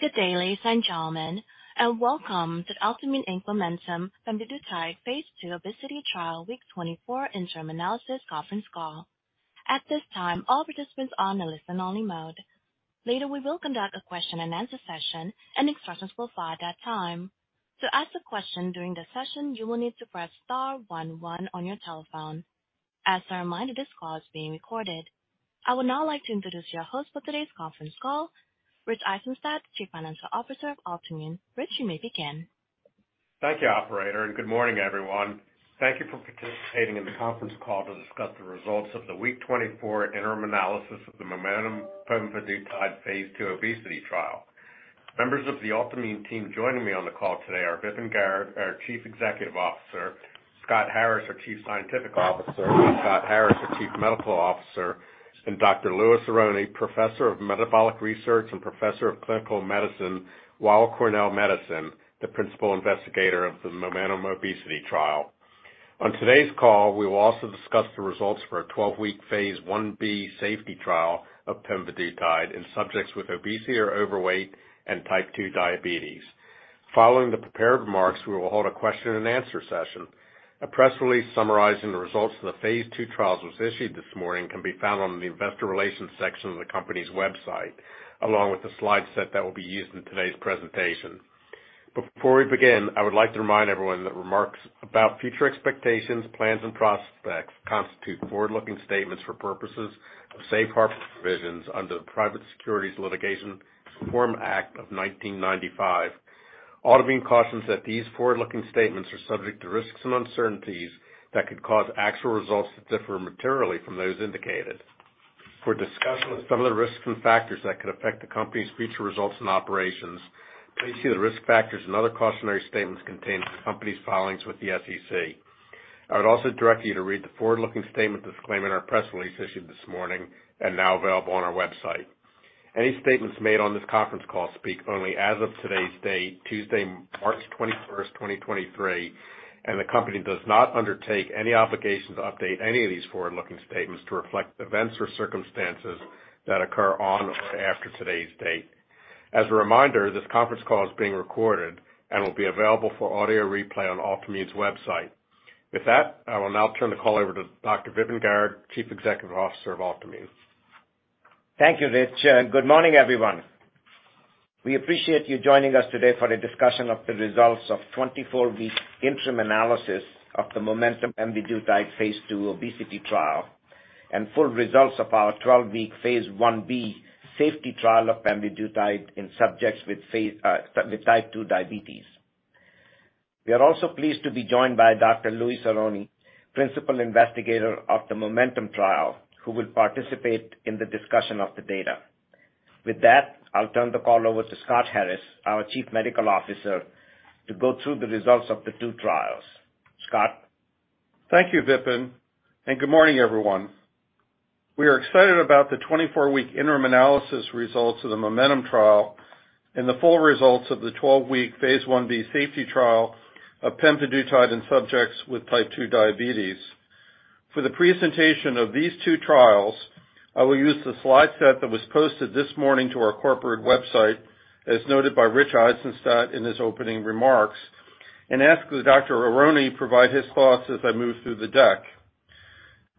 Good day, ladies and gentlemen, and welcome to Altimmune, Inc. MOMENTUM pemvidutide Phase II Obesity Trial Week 24 Interim Analysis conference call. At this time, all participants are in listen only mode. Later we will conduct a question and answer session, and instructions will follow at that time. To ask a question during the session, you will need to press star one one on your telephone. As a reminder, this call is being recorded. I would now like to introduce your host for today's conference call, Rich Eisenstadt, Chief Financial Officer of Altimmune. Rich, you may begin. Thank you, operator. Good morning, everyone. Thank you for participating in the conference call to discuss the results of the week 24 interim analysis of the MOMENTUM pemvidutide Phase II Obesity Trial. Members of the Altimmune team joining me on the call today are Vipin Garg, our Chief Executive Officer, Scot Roberts, our Chief Scientific Officer, and Scott Harris, our Chief Medical Officer, and Dr. Louis Aronne, Professor of Metabolic Research and Professor of Clinical Medicine, Weill Cornell Medicine, the principal investigator of the MOMENTUM Obesity Trial. On today's call, we will also discuss the results for a 12-week phase Ib safety trial of pemvidutide in subjects with obesity or overweight and type 2 diabetes. Following the prepared remarks, we will hold a question and answer session. A press release summarizing the results of the phase II trials was issued this morning can be found on the investor relations section of the company's website, along with the slide set that will be used in today's presentation. Before we begin, I would like to remind everyone that remarks about future expectations, plans and prospects constitute forward-looking statements for purposes of safe harbor provisions under the Private Securities Litigation Reform Act of 1995. Altimmune cautions that these forward-looking statements are subject to risks and uncertainties that could cause actual results to differ materially from those indicated. For a discussion of some of the risks and factors that could affect the company's future results and operations, please see the risk factors and other cautionary statements contained in the company's filings with the SEC. I would also direct you to read the forward-looking statement disclaimer in our press release issued this morning and now available on our website. Any statements made on this conference call speak only as of today's date, Tuesday, March 21st, 2023, and the company does not undertake any obligation to update any of these forward-looking statements to reflect events or circumstances that occur on or after today's date. As a reminder, this conference call is being recorded and will be available for audio replay on Altimmune's website. With that, I will now turn the call over to Dr. Vipin Garg, Chief Executive Officer of Altimmune. Thank you, Rich. Good morning, everyone. We appreciate you joining us today for a discussion of the results of 24-week interim analysis of the Momentum pemvidutide phase II obesity trial and full results of our 12-week phase Ib safety trial of pemvidutide in subjects with type 2 diabetes. We are also pleased to be joined by Dr. Louis Aronne, Principal Investigator of the Momentum trial, who will participate in the discussion of the data. With that, I'll turn the call over to Scott Harris, our Chief Medical Officer, to go through the results of the 2 trials. Scott? Thank you, Vipin, and good morning, everyone. We are excited about the 24-week interim analysis results of the MOMENTUM trial and the full results of the 12-week Phase 1b safety trial of pemvidutide in subjects with type 2 diabetes. For the presentation of these two trials, I will use the slide set that was posted this morning to our corporate website, as noted by Rich Eisenstadt in his opening remarks, and ask that Dr. Aronne provide his thoughts as I move through the deck.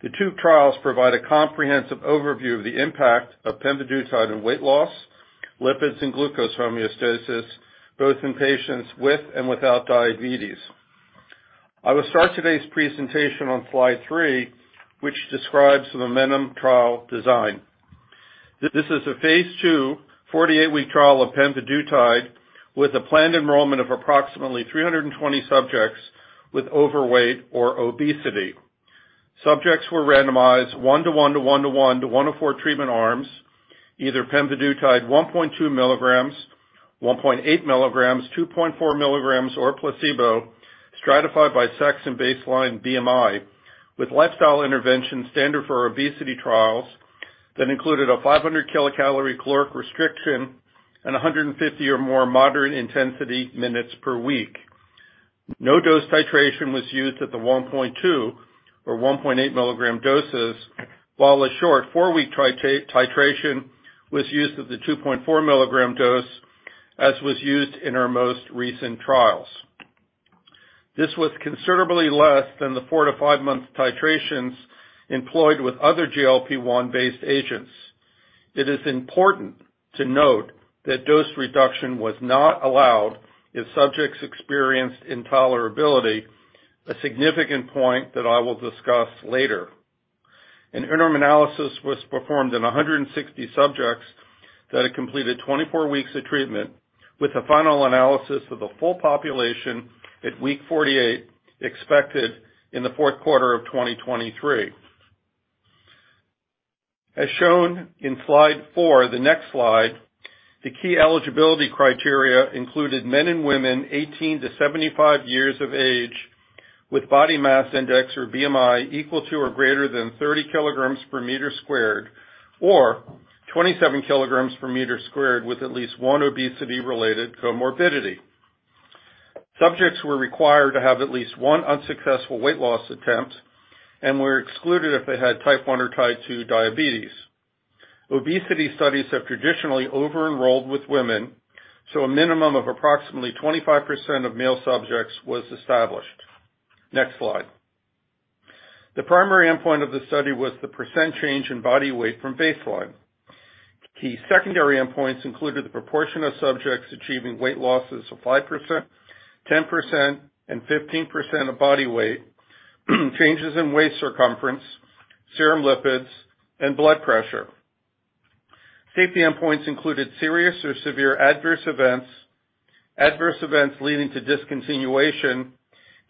The two trials provide a comprehensive overview of the impact of pemvidutide in weight loss, lipids, and glucose homeostasis, both in patients with and without diabetes. I will start today's presentation on slide 3, which describes the MOMENTUM trial design. This is a phase II 48-week trial of pemvidutide with a planned enrollment of approximately 320 subjects with overweight or obesity. Subjects were randomized 1 to 1 to 1 to 1 to 1 of 4 treatment arms, either Pemvidutide 1.2 mg, 1.8 mg, 2.4 mg or placebo, stratified by sex and baseline BMI, with lifestyle intervention standard for obesity trials that included a 500 kilocalorie caloric restriction and 150 or more moderate intensity minutes per week. No dose titration was used at the 1.2 or 1.8 mg doses, while a short 4-week tri-titration was used at the 2.4 mg dose, as was used in our most recent trials. This was considerably less than the 4-5 month titrations employed with other GLP-1 based agents. It is important to note that dose reduction was not allowed if subjects experienced intolerability, a significant point that I will discuss later. An interim analysis was performed in 160 subjects that had completed 24 weeks of treatment with a final analysis of the full population at week 48, expected in the fourth quarter of 2023. Shown in slide 4, the next slide, the key eligibility criteria included men and women 18-75 years of age with body mass index or BMI equal to or greater than 30 kilograms per meter squared or 27 kilograms per meter squared with at least one obesity-related comorbidity. Subjects were required to have at least one unsuccessful weight loss attempt and were excluded if they had type 1 or type 2 diabetes. Obesity studies have traditionally over-enrolled with women, a minimum of approximately 25% of male subjects was established. Next slide. The primary endpoint of the study was the % change in body weight from baseline. Key secondary endpoints included the proportion of subjects achieving weight losses of 5%, 10%, and 15% of body weight, changes in waist circumference, serum lipids, and blood pressure. Safety endpoints included serious or severe adverse events, adverse events leading to discontinuation,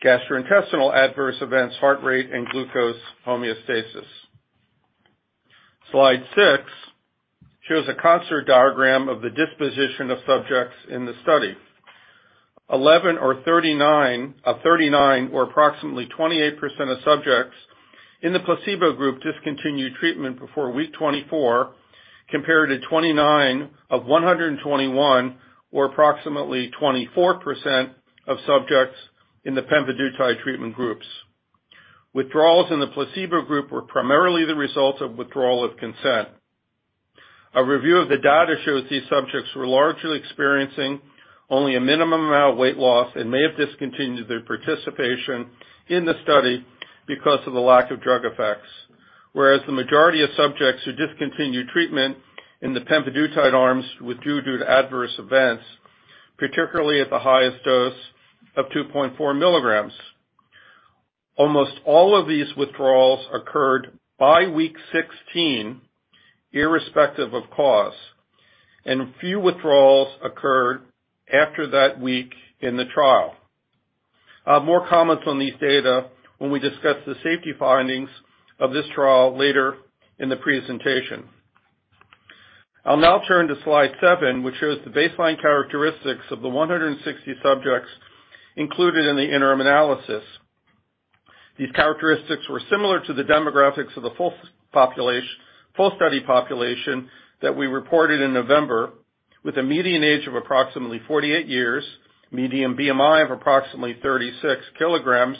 gastrointestinal adverse events, heart rate, and glucose homeostasis. Slide 6 shows a CONSORT diagram of the disposition of subjects in the study. 11 of 39, or approximately 28% of subjects in the placebo group discontinued treatment before week 24, compared to 29 of 121, or approximately 24% of subjects in the pemvidutide treatment groups. Withdrawals in the placebo group were primarily the result of withdrawal of consent. A review of the data shows these subjects were largely experiencing only a minimum amount of weight loss and may have discontinued their participation in the study because of the lack of drug effects. The majority of subjects who discontinued treatment in the pemvidutide arms withdrew due to adverse events, particularly at the highest dose of 2.4 milligrams. Almost all of these withdrawals occurred by week 16, irrespective of cause, and few withdrawals occurred after that week in the trial. I'll have more comments on these data when we discuss the safety findings of this trial later in the presentation. I'll now turn to slide 7, which shows the baseline characteristics of the 160 subjects included in the interim analysis. These characteristics were similar to the demographics of the full study population that we reported in November, with a median age of approximately 48 years, median BMI of approximately 36 kilograms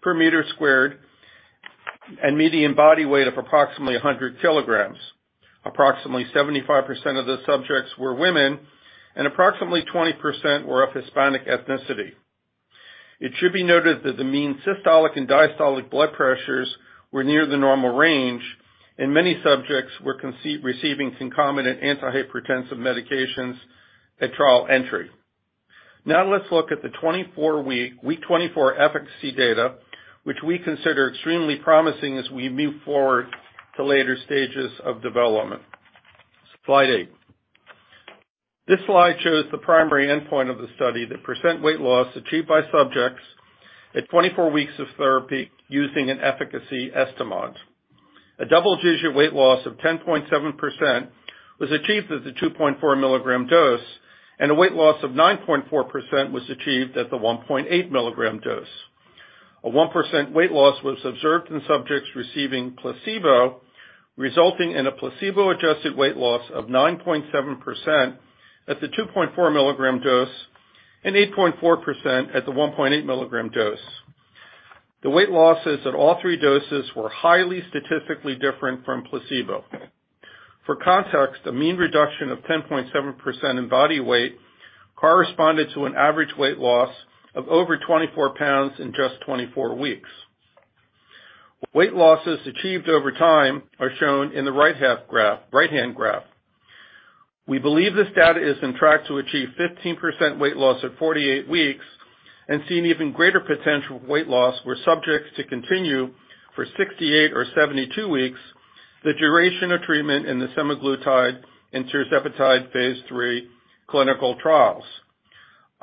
per meter squared, and median body weight of approximately 100 kilograms. Approximately 75% of the subjects were women, and approximately 20% were of Hispanic ethnicity. It should be noted that the mean systolic and diastolic blood pressures were near the normal range, and many subjects were receiving concomitant antihypertensive medications at trial entry. Let's look at the 24-week, week 24 efficacy data, which we consider extremely promising as we move forward to later stages of development. Slide 8. This slide shows the primary endpoint of the study, the % weight loss achieved by subjects at 24 weeks of therapy using an efficacy estimand. A double-digit weight loss of 10.7% was achieved at the 2.4 milligram dose, and a weight loss of 9.4% was achieved at the 1.8 milligram dose. A 1% weight loss was observed in subjects receiving placebo, resulting in a placebo-adjusted weight loss of 9.7% at the 2.4 milligram dose and 8.4% at the 1.8 milligram dose. The weight losses at all three doses were highly statistically different from placebo. For context, a mean reduction of 10.7% in body weight corresponded to an average weight loss of over 24 pounds in just 24 weeks. Weight losses achieved over time are shown in the right hand graph. We believe this data is on track to achieve 15% weight loss at 48 weeks and see an even greater potential weight loss were subjects to continue for 68 or 72 weeks, the duration of treatment in the semaglutide and tirzepatide phase III clinical trials.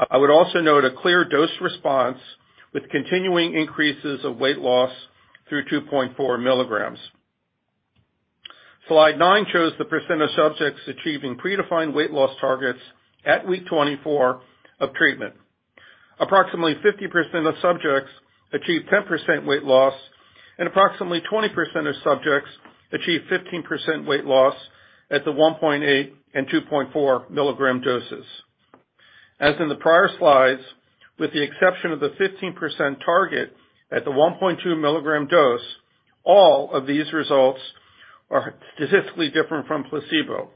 I would also note a clear dose response with continuing increases of weight loss through 2.4 milligrams. Slide 9 shows the % of subjects achieving predefined weight loss targets at week 24 of treatment. Approximately 50% of subjects achieved 10% weight loss, and approximately 20% of subjects achieved 15% weight loss at the 1.8 and 2.4 milligram doses. As in the prior slides, with the exception of the 15% target at the 1.2 milligram dose, all of these results are statistically different from placebo.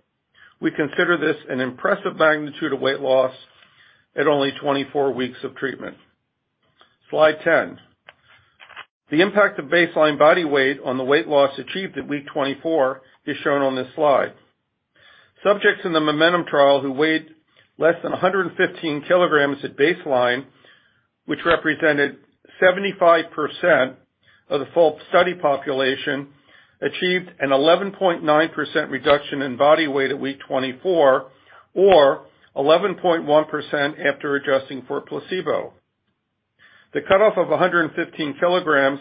We consider this an impressive magnitude of weight loss at only 24 weeks of treatment. Slide 10. The impact of baseline body weight on the weight loss achieved at week 24 is shown on this slide. Subjects in the MOMENTUM trial who weighed less than 115 kg at baseline, which represented 75% of the full study population, achieved an 11.9% reduction in body weight at week 24, or 11.1% after adjusting for placebo. The cutoff of 115 kilograms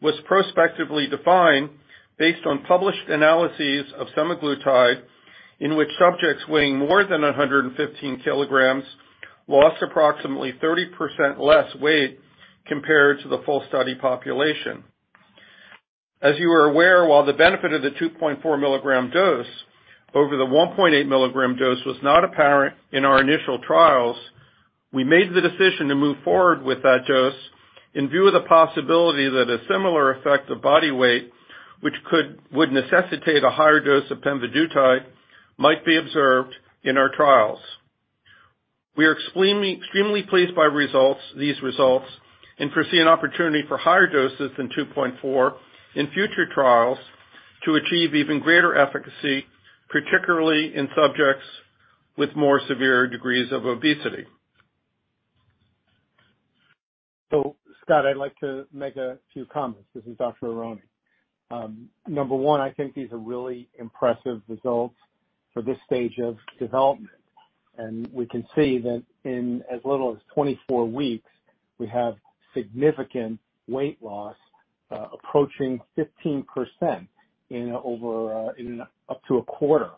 was prospectively defined based on published analyses of semaglutide, in which subjects weighing more than 115 kilograms lost approximately 30% less weight compared to the full study population. As you are aware, while the benefit of the 2.4 milligram dose over the 1.8 milligram dose was not apparent in our initial trials, we made the decision to move forward with that dose in view of the possibility that a similar effect of body weight, which would necessitate a higher dose of pemvidutide, might be observed in our trials. We are extremely pleased by these results and foresee an opportunity for higher doses than 2.4 in future trials to achieve even greater efficacy, particularly in subjects with more severe degrees of obesity. Scott, I'd like to make a few comments. This is Dr. Aronne. Number 1, I think these are really impressive results for this stage of development. We can see that in as little as 24 weeks, we have significant weight loss, approaching 15% in over, in up to a quarter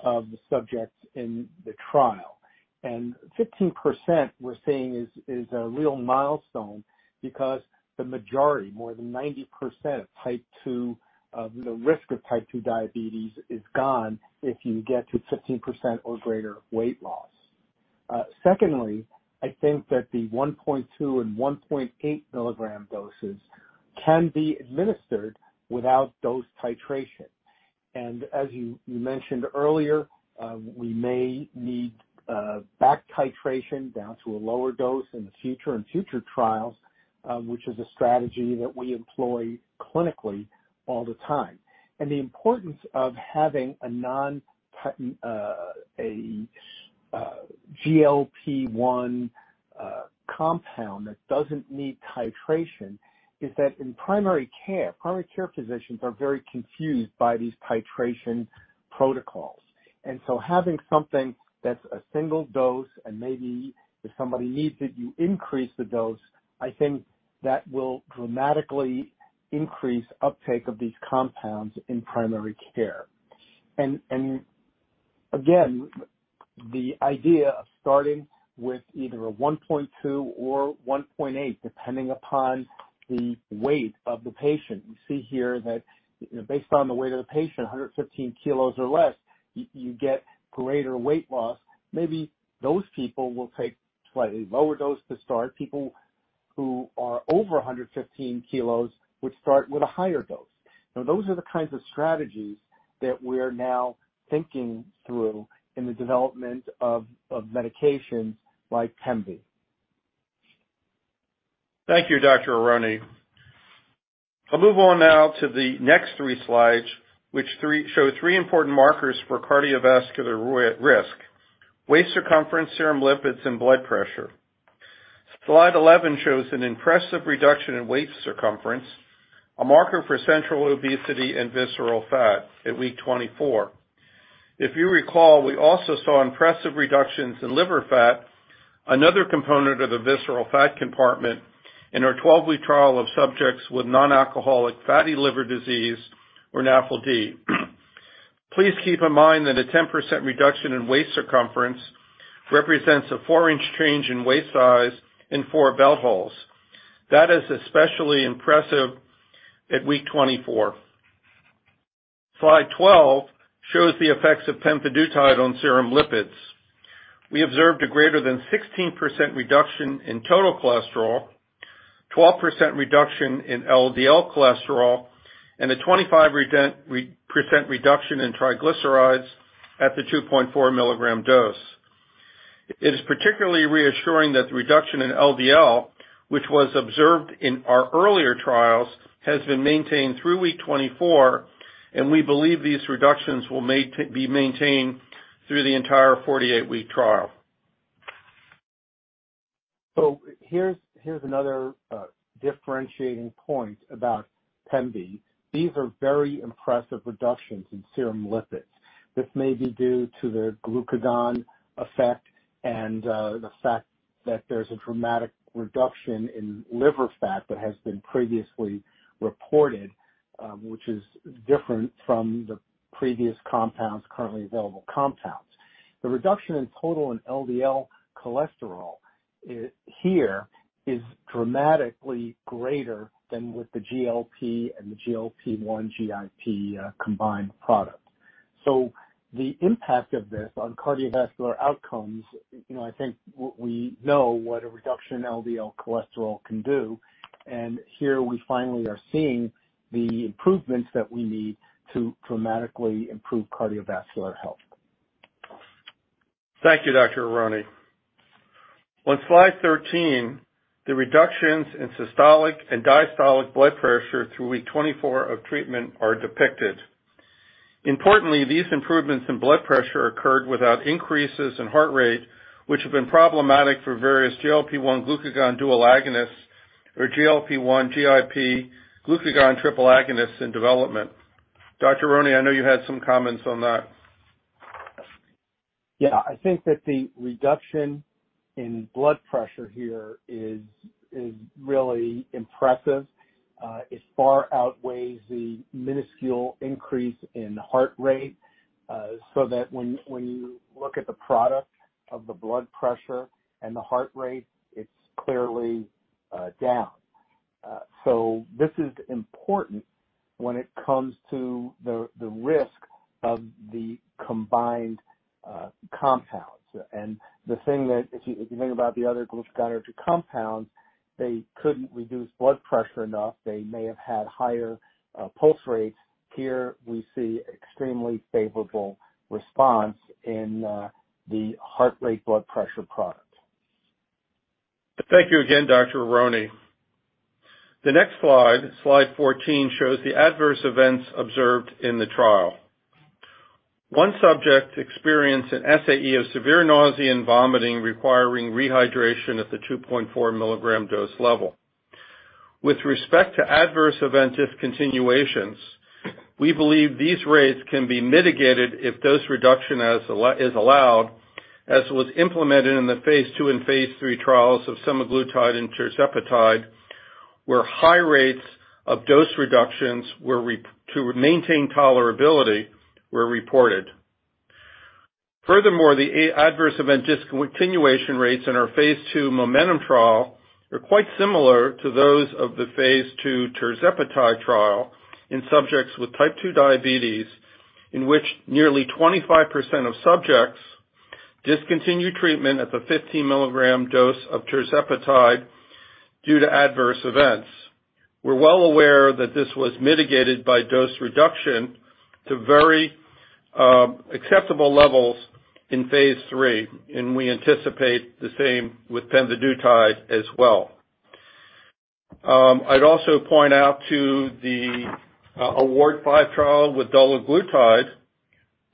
of the subjects in the trial. 15% we're seeing is a real milestone because the majority, more than 90% of type 2, of the risk of type 2 diabetes is gone if you get to 15% or greater weight loss. Secondly, I think that the 1.2 and 1.8 milligram doses can be administered without dose titration. As you mentioned earlier, we may need back titration down to a lower dose in the future, in future trials, which is a strategy that we employ clinically all the time. The importance of having a GLP-1 compound that doesn't need titration is that in primary care, primary care physicians are very confused by these titration protocols. Having something that's a single dose and maybe if somebody needs it, you increase the dose, I think that will dramatically increase uptake of these compounds in primary care. Again, the idea of starting with either a 1.2 or 1.8, depending upon the weight of the patient. You see here that, you know, based on the weight of the patient, 115 kilos or less, you get greater weight loss. Maybe those people will take slightly lower dose to start. People who are over 115 kilos would start with a higher dose. Those are the kinds of strategies that we're now thinking through in the development of medications like Pemvi. Thank you, Dr. Aronne. I'll move on now to the next 3 slides, which show 3 important markers for cardiovascular risk, waist circumference, serum lipids, and blood pressure. Slide 11 shows an impressive reduction in waist circumference, a marker for central obesity and visceral fat at week 24. If you recall, we also saw impressive reductions in liver fat, another component of the visceral fat compartment in our 12-week trial of subjects with non-alcoholic fatty liver disease or NAFLD. Please keep in mind that a 10% reduction in waist circumference represents a 4-inch change in waist size in 4 belt holes. That is especially impressive at week 24. Slide 12 shows the effects of pemvidutide on serum lipids. We observed a greater than 16% reduction in total cholesterol, 12% reduction in LDL cholesterol, and a 25% reduction in triglycerides at the 2.4 milligram dose. It is particularly reassuring that the reduction in LDL, which was observed in our earlier trials, has been maintained through week 24, and we believe these reductions will be maintained through the entire 48-week trial. Here's another differentiating point about Pemvi. These are very impressive reductions in serum lipids. This may be due to the glucagon effect and the fact that there's a dramatic reduction in liver fat that has been previously reported, which is different from the previous compounds, currently available compounds. The reduction in total and LDL cholesterol here is dramatically greater than with the GLP and the GLP-1 GIP combined product. The impact of this on cardiovascular outcomes, you know, I think we know what a reduction in LDL cholesterol can do. Here we finally are seeing the improvements that we need to dramatically improve cardiovascular health. Thank you, Dr. Aronne. On slide 13, the reductions in systolic and diastolic blood pressure through week 24 of treatment are depicted. Importantly, these improvements in blood pressure occurred without increases in heart rate, which have been problematic for various GLP-1 glucagon dual agonists or GLP-1 GIP glucagon triple agonists in development. Dr. Aronne, I know you had some comments on that. I think that the reduction in blood pressure here is really impressive. It far outweighs the minuscule increase in heart rate, so that when you look at the product of the blood pressure and the heart rate, it's clearly down. This is important when it comes to the risk of the combined compounds. The thing that if you think about the other glucagon-like compound, they couldn't reduce blood pressure enough. They may have had higher pulse rates. Here we see extremely favorable response in the heart rate blood pressure product. Thank you again, Dr. Aronne. The next slide 14, shows the adverse events observed in the trial. One subject experienced an SAE of severe nausea and vomiting requiring rehydration at the 2.4 milligram dose level. With respect to adverse event discontinuations, we believe these rates can be mitigated if dose reduction is allowed, as was implemented in the phase II and phase III trials of semaglutide and tirzepatide, where high rates of dose reductions to maintain tolerability, were reported. The adverse event discontinuation rates in our phase II MOMENTUM trial are quite similar to those of the phase II tirzepatide trial in subjects with type 2 diabetes, in which nearly 25% of subjects discontinued treatment at the 15 milligram dose of tirzepatide due to adverse events. We're well aware that this was mitigated by dose reduction to very acceptable levels in phase III, and we anticipate the same with pemvidutide as well. I'd also point out to the AWARD-5 trial with dulaglutide,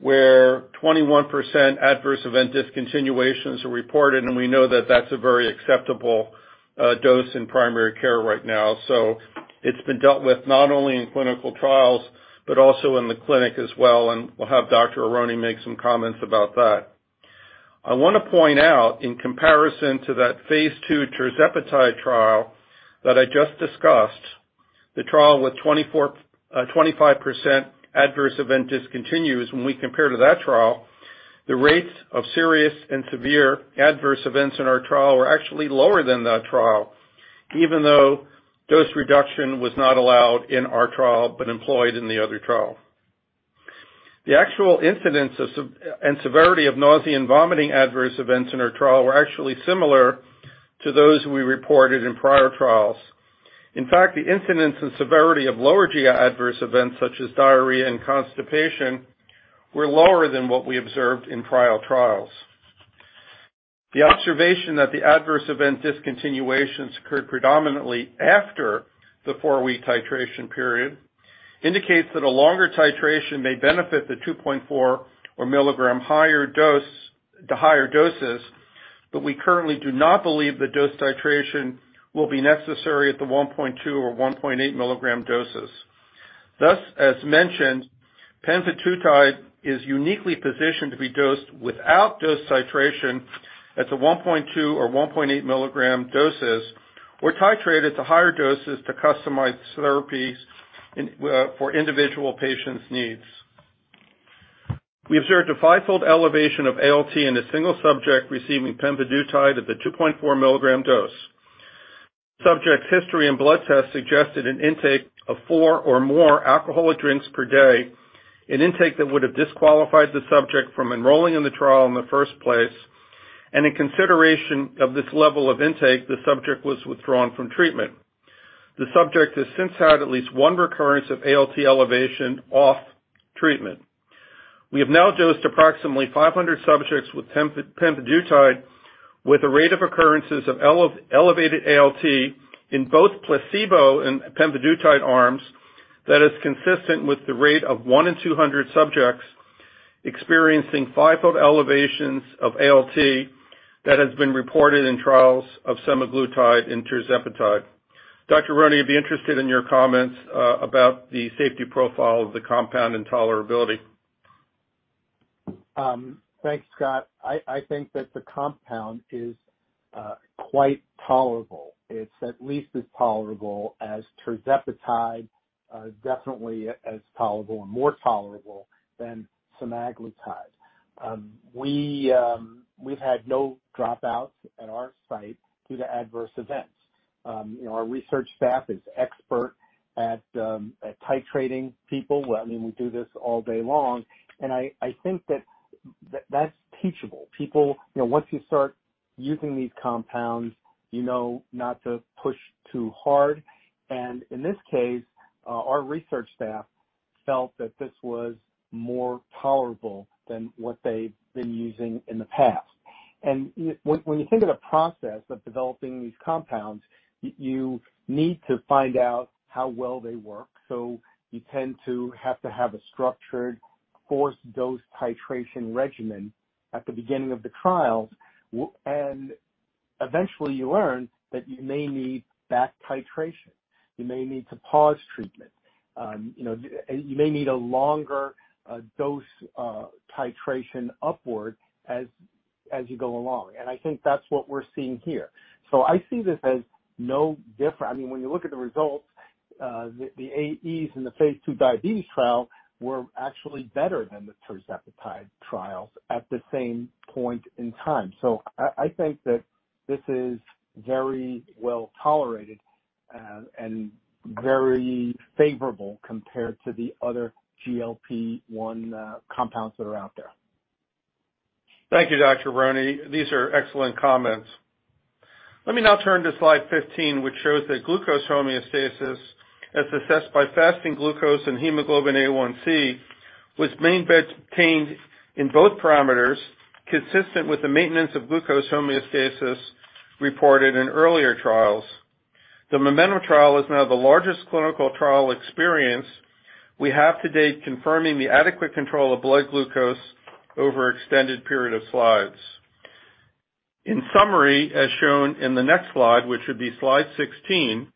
where 21% adverse event discontinuations were reported, and we know that that's a very acceptable dose in primary care right now. It's been dealt with not only in clinical trials, but also in the clinic as well, and we'll have Dr. Aronne make some comments about that. I wanna point out, in comparison to that phase II tirzepatide trial that I just discussed, the trial with 25% adverse event discontinues, when we compare to that trial, the rates of serious and severe adverse events in our trial are actually lower than that trial, even though dose reduction was not allowed in our trial, but employed in the other trial. The actual incidence and severity of nausea and vomiting adverse events in our trial were actually similar to those we reported in prior trials. In fact, the incidence and severity of lower GI adverse events, such as diarrhea and constipation, were lower than what we observed in prior trials. The observation that the adverse event discontinuations occurred predominantly after the four-week titration period indicates that a longer titration may benefit the 2.4 or milligram higher dose... to higher doses, but we currently do not believe the dose titration will be necessary at the 1.2 or 1.8 milligram doses. Thus, as mentioned, pemvidutide is uniquely positioned to be dosed without dose titration at the 1.2 or 1.8 milligram doses or titrated to higher doses to customize therapies for individual patients' needs. We observed a 5-fold elevation of ALT in a single subject receiving pemvidutide at the 2.4 milligram dose. Subject's history and blood tests suggested an intake of 4 or more alcoholic drinks per day, an intake that would have disqualified the subject from enrolling in the trial in the first place. In consideration of this level of intake, the subject was withdrawn from treatment. The subject has since had at least 1 recurrence of ALT elevation off treatment. We have now dosed approximately 500 subjects with pemvidutide with a rate of occurrences of elevated ALT in both placebo and pemvidutide arms that is consistent with the rate of 1 in 200 subjects experiencing 5-fold elevations of ALT that has been reported in trials of semaglutide and tirzepatide. Dr. Aronne, I'd be interested in your comments about the safety profile of the compound and tolerability. Thanks, Scott. I think that the compound is quite tolerable. It's at least as tolerable as tirzepatide, definitely as tolerable or more tolerable than semaglutide. We've had no dropouts at our site due to adverse events. You know, our research staff is expert at titrating people. Well, I mean, we do this all day long, and I think that that's teachable. People, you know, once you start using these compounds, you know not to push too hard. When you think of the process of developing these compounds, you need to find out how well they work. You tend to have to have a structured forced dose titration regimen at the beginning of the trials. Eventually you learn that you may need back titration. You may need to pause treatment. you know, you may need a longer dose titration upward as you go along. I think that's what we're seeing here. I see this as no differ-- I mean, when you look at the results. The AEs in the phase II diabetes trial were actually better than the tirzepatide trials at the same point in time. I think that this is very well-tolerated and very favorable compared to the other GLP-1 compounds that are out there. Thank you, Dr. Aronne. These are excellent comments. Let me now turn to slide 15, which shows that glucose homeostasis, as assessed by fasting glucose and hemoglobin A1c, was maintained in both parameters, consistent with the maintenance of glucose homeostasis reported in earlier trials. The MOMENTUM trial is now the largest clinical trial experience we have to date, confirming the adequate control of blood glucose over extended period of slides. In summary, as shown in the next slide, which would be slide 16,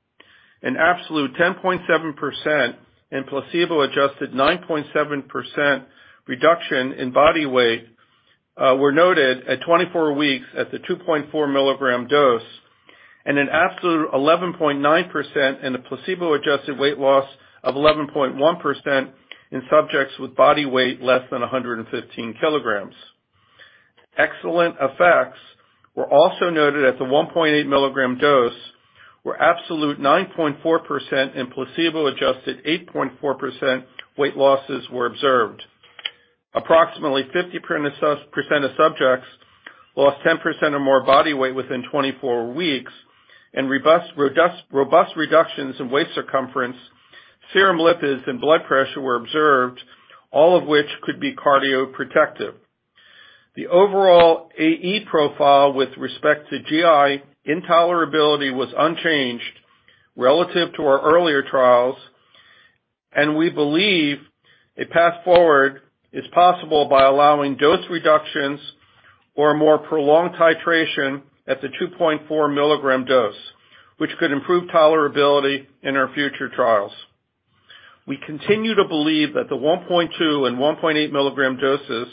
an absolute 10.7% and placebo-adjusted 9.7% reduction in body weight were noted at 24 weeks at the 2.4 milligram dose, and an absolute 11.9% and a placebo-adjusted weight loss of 11.1% in subjects with body weight less than 115 kilograms. Excellent effects were also noted at the 1.8 milligram dose, where absolute 9.4% and placebo-adjusted 8.4% weight losses were observed. Approximately 50% of subjects lost 10% or more body weight within 24 weeks. Robust reductions in waist circumference, serum lipids and blood pressure were observed, all of which could be cardioprotective. The overall AE profile with respect to GI intolerability was unchanged relative to our earlier trials. We believe a path forward is possible by allowing dose reductions or a more prolonged titration at the 2.4 milligram dose, which could improve tolerability in our future trials. We continue to believe that the 1.2 and 1.8 milligram doses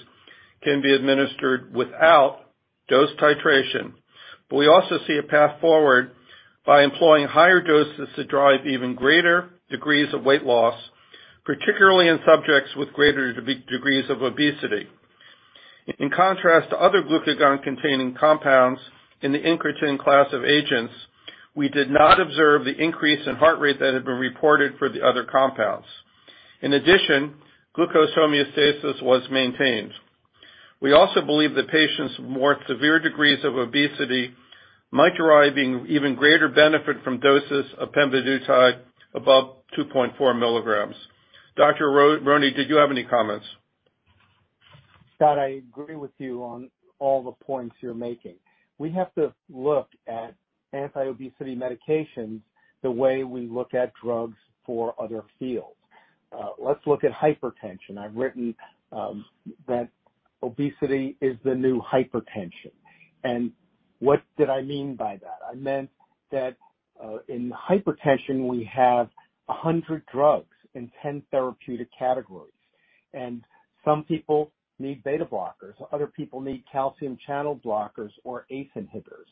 can be administered without dose titration, but we also see a path forward by employing higher doses to drive even greater degrees of weight loss, particularly in subjects with greater degrees of obesity. In contrast to other glucagon-containing compounds in the incretin class of agents, we did not observe the increase in heart rate that had been reported for the other compounds. In addition, glucose homeostasis was maintained. We also believe that patients with more severe degrees of obesity might derive even greater benefit from doses of pemvidutide above 2.4 milligrams. Dr. Aronne, did you have any comments? Scott, I agree with you on all the points you're making. We have to look at anti-obesity medications the way we look at drugs for other fields. Let's look at hypertension. I've written that obesity is the new hypertension. What did I mean by that? I meant that, in hypertension, we have 100 drugs in 10 therapeutic categories, and some people need beta blockers. Other people need calcium channel blockers or ACE inhibitors.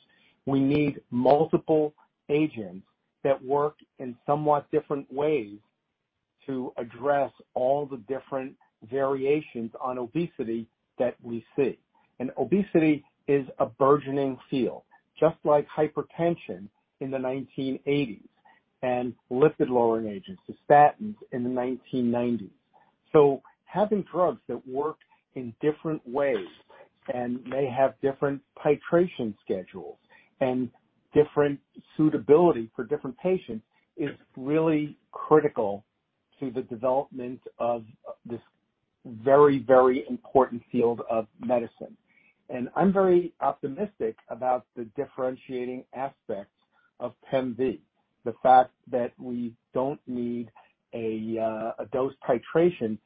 We need multiple agents that work in somewhat different ways to address all the different variations on obesity that we see. Obesity is a burgeoning field, just like hypertension in the 1980s and lipid-lowering agents, the statins, in the 1990s. Having drugs that work in different ways and may have different titration schedules and different suitability for different patients is really critical to the development of this very important field of medicine. I'm very optimistic about the differentiating aspects of PEMV. The fact that we don't need a dose titration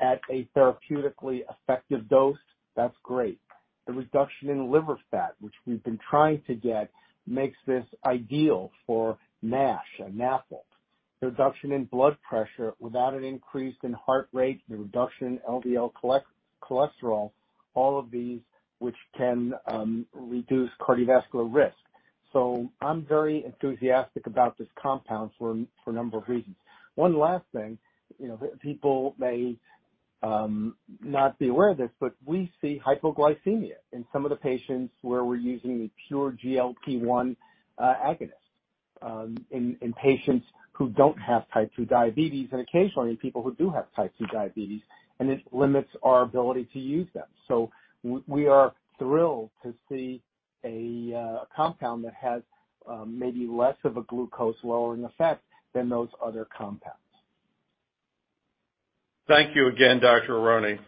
at a therapeutically effective dose, that's great. The reduction in liver fat, which we've been trying to get, makes this ideal for NASH, or NASH. The reduction in blood pressure without an increase in heart rate, the reduction in LDL cholesterol, all of these which can reduce cardiovascular risk. I'm very enthusiastic about this compound for a number of reasons. One last thing, you know, people may not be aware of this, but we see hypoglycemia in some of the patients where we're using the pure GLP-1 agonist, in patients who don't have type 2 diabetes and occasionally in people who do have type 2 diabetes, and it limits our ability to use them. We are thrilled to see a compound that has maybe less of a glucose-lowering effect than those other compounds. Thank you again, Dr. Aronne.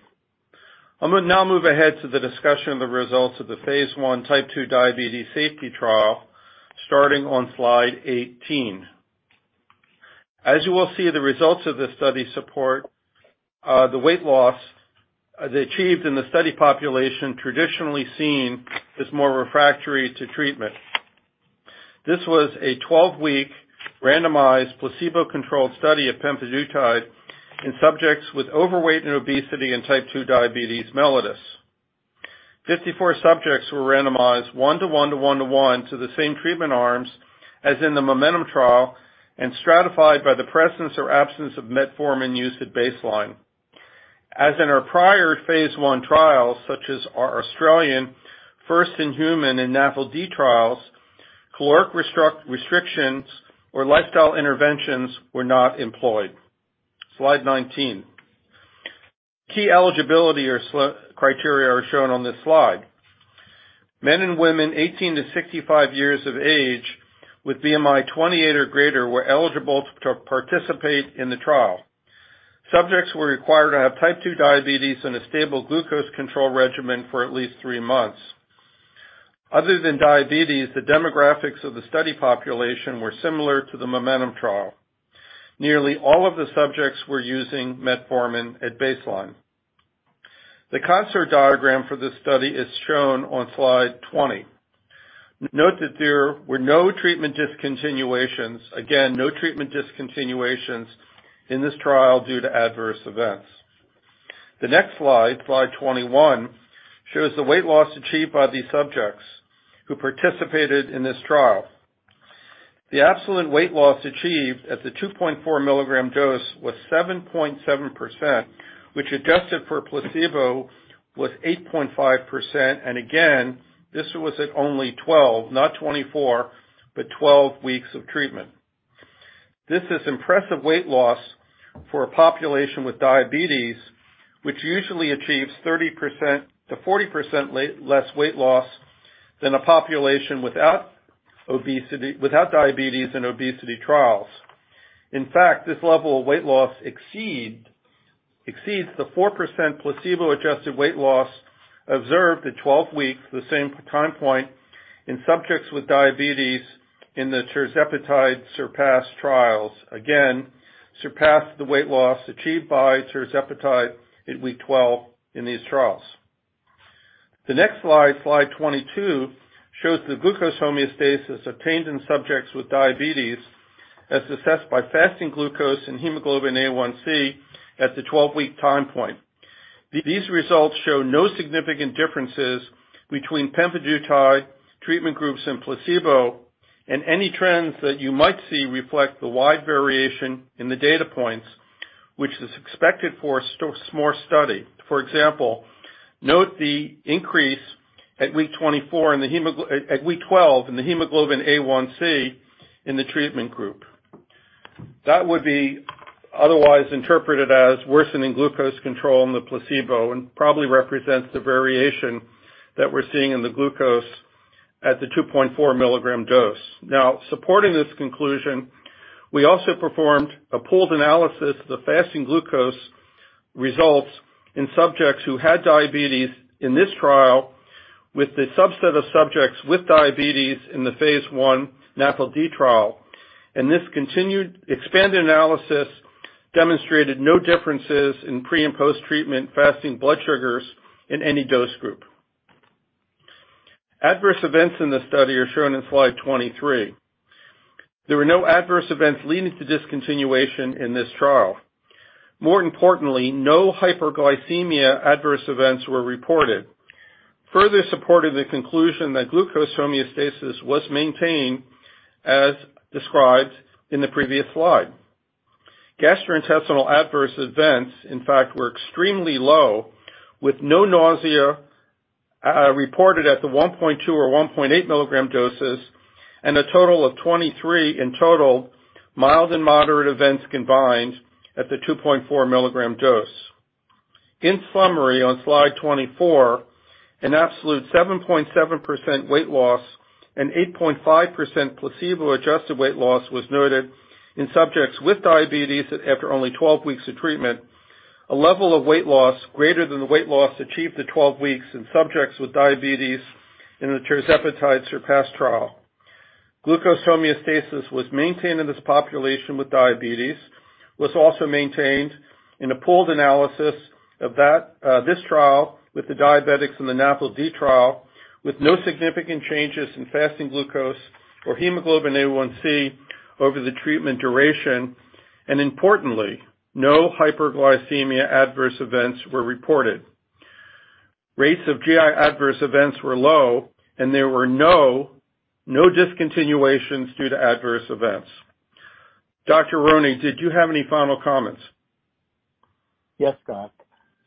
I'm gonna now move ahead to the discussion of the results of the phase I type 2 diabetes safety trial, starting on slide 18. As you will see, the results of this study support the weight loss they achieved in the study population traditionally seen as more refractory to treatment. This was a 12-week randomized placebo-controlled study of pemvidutide in subjects with overweight and obesity and type 2 diabetes mellitus. 54 subjects were randomized 1 to 1 to 1 to 1 to the same treatment arms as in the MOMENTUM trial and stratified by the presence or absence of metformin use at baseline. As in our prior phase I trials, such as our Australian first-in-human and NAFLD trials, caloric restrictions or lifestyle interventions were not employed. Slide 19. Key eligibility or criteria are shown on this slide. Men and women 18 to 65 years of age with BMI 28 or greater were eligible to participate in the trial. Subjects were required to have type 2 diabetes and a stable glucose control regimen for at least 3 months. Other than diabetes, the demographics of the study population were similar to the MOMENTUM trial. Nearly all of the subjects were using metformin at baseline. The CONSORT diagram for this study is shown on slide 20. Note that there were no treatment discontinuations. Again, no treatment discontinuations in this trial due to adverse events. The next slide 21, shows the weight loss achieved by these subjects who participated in this trial. The absolute weight loss achieved at the 2.4 milligram dose was 7.7%, which adjusted for placebo, was 8.5%. Again, this was at only 12, not 24, but 12 weeks of treatment. This is impressive weight loss for a population with diabetes, which usually achieves 30%-40% less weight loss than a population without obesity, without diabetes in obesity trials. In fact, this level of weight loss exceeds the 4% placebo-adjusted weight loss observed at 12 weeks, the same time point in subjects with diabetes in the tirzepatide SURPASS trials. Surpassed the weight loss achieved by tirzepatide at week 12 in these trials. The next slide 22, shows the glucose homeostasis obtained in subjects with diabetes, as assessed by fasting glucose and hemoglobin A1c at the 12-week time point. These results show no significant differences between pemvidutide treatment groups and placebo, and any trends that you might see reflect the wide variation in the data points, which is expected for a small study. For example, note the increase at week 12 in the hemoglobin A1c in the treatment group. That would be otherwise interpreted as worsening glucose control in the placebo and probably represents the variation that we're seeing in the glucose at the 2.4 milligram dose. Now, supporting this conclusion, we also performed a pooled analysis of the fasting glucose results in subjects who had diabetes in this trial with the subset of subjects with diabetes in the Phase 1 NAFLD trial. This continued expanded analysis demonstrated no differences in pre and post-treatment fasting blood sugars in any dose group. Adverse events in the study are shown in slide 23. There were no adverse events leading to discontinuation in this trial. More importantly, no hyperglycemia adverse events were reported. Further supporting the conclusion that glucose homeostasis was maintained as described in the previous slide. Gastrointestinal adverse events, in fact, were extremely low, with no nausea reported at the 1.2 or 1.8 milligram doses and a total of 23 in total mild and moderate events combined at the 2.4 milligram dose. In summary, on slide 24, an absolute 7.7% weight loss and 8.5 placebo-adjusted weight loss was noted in subjects with diabetes after only 12 weeks of treatment, a level of weight loss greater than the weight loss achieved at 12 weeks in subjects with diabetes in the tirzepatide SURPASS trial. Glucose homeostasis was maintained in this population with diabetes, was also maintained in a pooled analysis of that, this trial with the diabetics in the NAFLD trial, with no significant changes in fasting glucose or hemoglobin A1c over the treatment duration. Importantly, no hyperglycemia adverse events were reported. Rates of GI adverse events were low, there were no discontinuations due to adverse events. Dr. Aronne, did you have any final comments? Yes, Scott.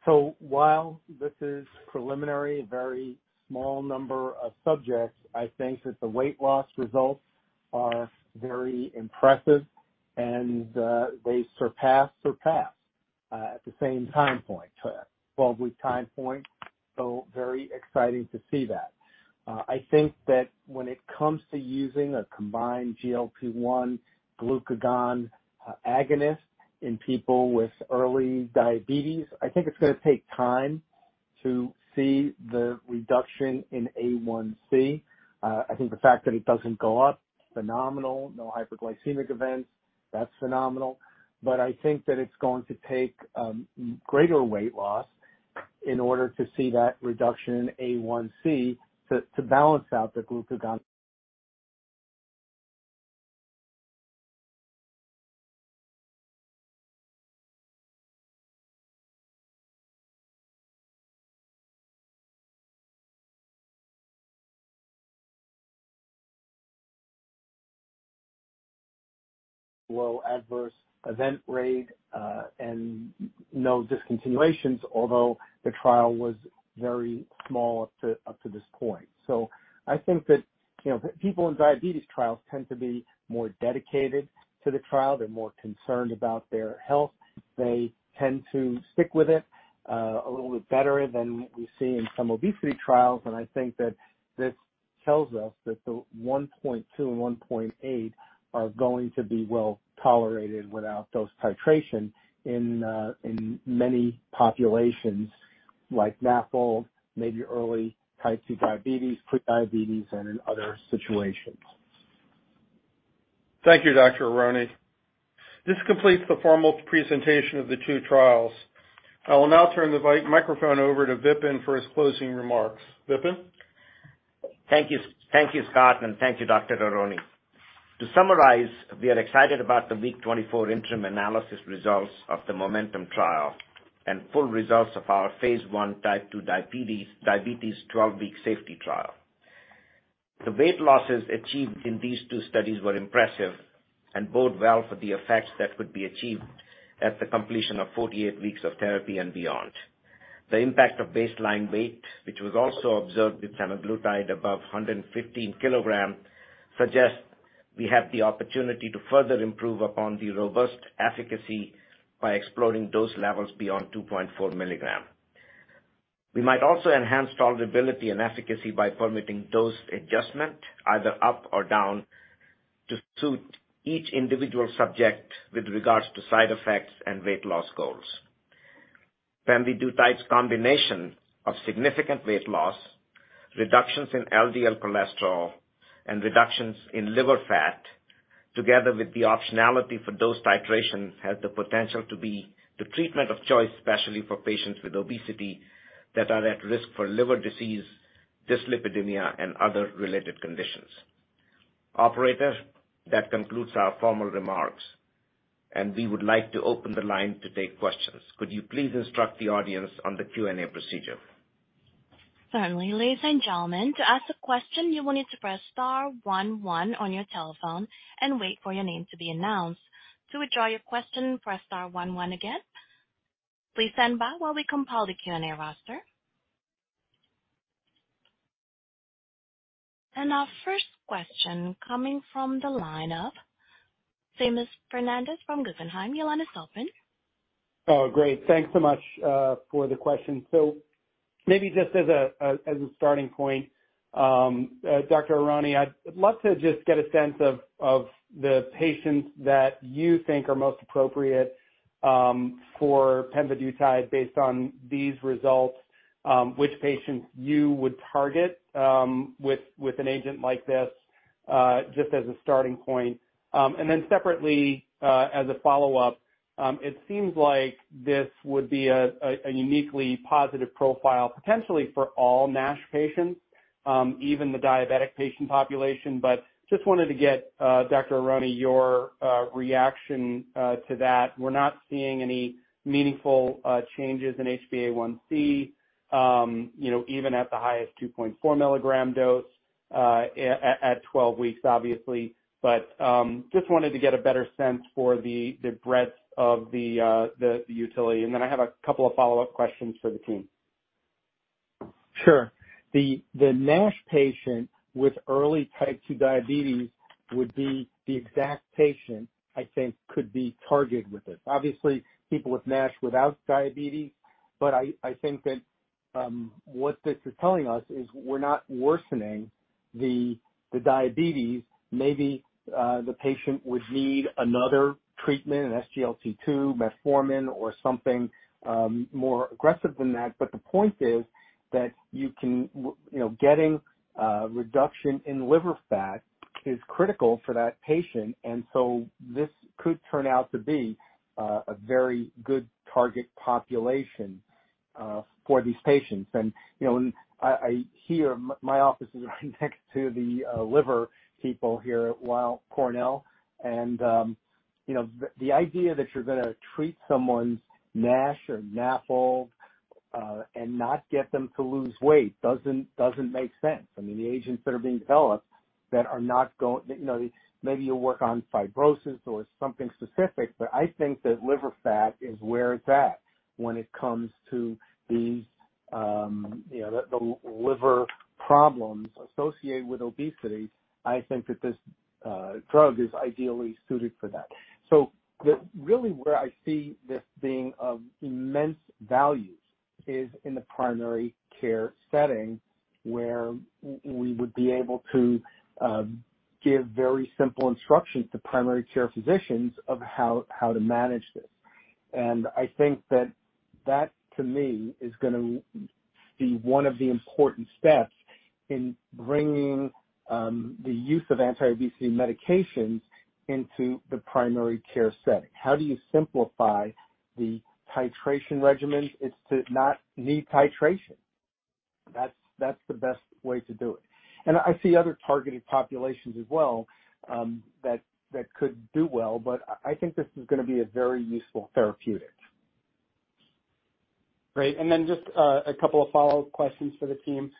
While this is preliminary, a very small number of subjects, I think that the weight loss results are very impressive and they surpass SURPASS at the same time point. 12-week time point. Very exciting to see that. I think that when it comes to using a combined GLP-1 glucagon agonist in people with early diabetes, I think it's gonna take time to see the reduction in A1c. I think the fact that it doesn't go up, phenomenal. No hyperglycemic events, that's phenomenal. I think that it's going to take greater weight loss in order to see that reduction in A1c to balance out the glucagonLow adverse event rate and no discontinuations, although the trial was very small up to this point. I think that, you know, people in diabetes trials tend to be more dedicated to the trial. They're more concerned about their health. They tend to stick with it a little bit better than what we see in some obesity trials. I think that this tells us that the 1.2 and 1.8 are going to be well-tolerated without dose titration in many populations like NAFL, maybe early type 2 diabetes, pre-diabetes, and in other situations. Thank you, Dr. Aronne. This completes the formal presentation of the two trials. I will now turn the microphone over to Vipin for his closing remarks. Vipin? Thank you. Thank you, Scott, and thank you, Dr. Aronne. To summarize, we are excited about the week 24 interim analysis results of the MOMENTUM trial and full results of our phase I type 2 diabetes 12-week safety trial. The weight losses achieved in these two studies were impressive and bode well for the effects that could be achieved at the completion of 48 weeks of therapy and beyond. The impact of baseline weight, which was also observed with semaglutide above 115 kilograms, suggests we have the opportunity to further improve upon the robust efficacy by exploring dose levels beyond 2.4 milligrams. We might also enhance tolerability and efficacy by permitting dose adjustment, either up or down, to suit each individual subject with regards to side effects and weight loss goals. Pemvidutide's combination of significant weight loss, reductions in LDL cholesterol, and reductions in liver fat, together with the optionality for dose titration, has the potential to be the treatment of choice, especially for patients with obesity that are at risk for liver disease, dyslipidemia and other related conditions. Operator, that concludes our formal remarks, and we would like to open the line to take questions. Could you please instruct the audience on the Q&A procedure? Certainly. Ladies and gentlemen, to ask a question, you will need to press star one one on your telephone and wait for your name to be announced. To withdraw your question, press star one one again. Please stand by while we compile the Q&A roster. Our first question coming from the line of Seamus Fernandez from Guggenheim. Your line is open. Oh, great. Thanks so much for the question. Maybe just as a starting point, Dr. Aronne, I'd love to just get a sense of the patients that you think are most appropriate for pemvidutide based on these results, which patients you would target with an agent like this, just as a starting point. And then separately, as a follow-up, it seems like this would be a uniquely positive profile, potentially for all NASH patients, even the diabetic patient population. Just wanted to get Dr. Aronne, your reaction to that. We're not seeing any meaningful changes in HbA1c, you know, even at the highest 2.4 milligram dose at 12 weeks, obviously. Just wanted to get a better sense for the breadth of the utility. I have a couple of follow-up questions for the team. Sure. The NASH patient with early type 2 diabetes would be the exact patient I think could be targeted with this. Obviously, people with NASH without diabetes, I think that what this is telling us is we're not worsening the diabetes. Maybe the patient would need another treatment, an SGLT2, metformin or something more aggressive than that. The point is that you can, you know, getting reduction in liver fat is critical for that patient. This could turn out to be a very good target population for these patients. You know, I hear. My office is right next to the liver people here at Weill Cornell. You know, the idea that you're gonna treat someone's NASH or NAFL and not get them to lose weight doesn't make sense. I mean, the agents that are being developed that are not. You know, maybe you'll work on fibrosis or something specific, but I think that liver fat is where it's at when it comes to these, you know, the liver problems associated with obesity. I think that this drug is ideally suited for that. Really where I see this being of immense value is in the primary care setting, where we would be able to give very simple instructions to primary care physicians of how to manage this. I think that that, to me, is gonna be one of the important steps in bringing the use of anti-obesity medications into the primary care setting. How do you simplify the titration regimens is to not need titration. That's the best way to do it. I see other targeted populations as well, that could do well. I think this is gonna be a very useful therapeutic. Great. Just a couple of follow-up questions for the team.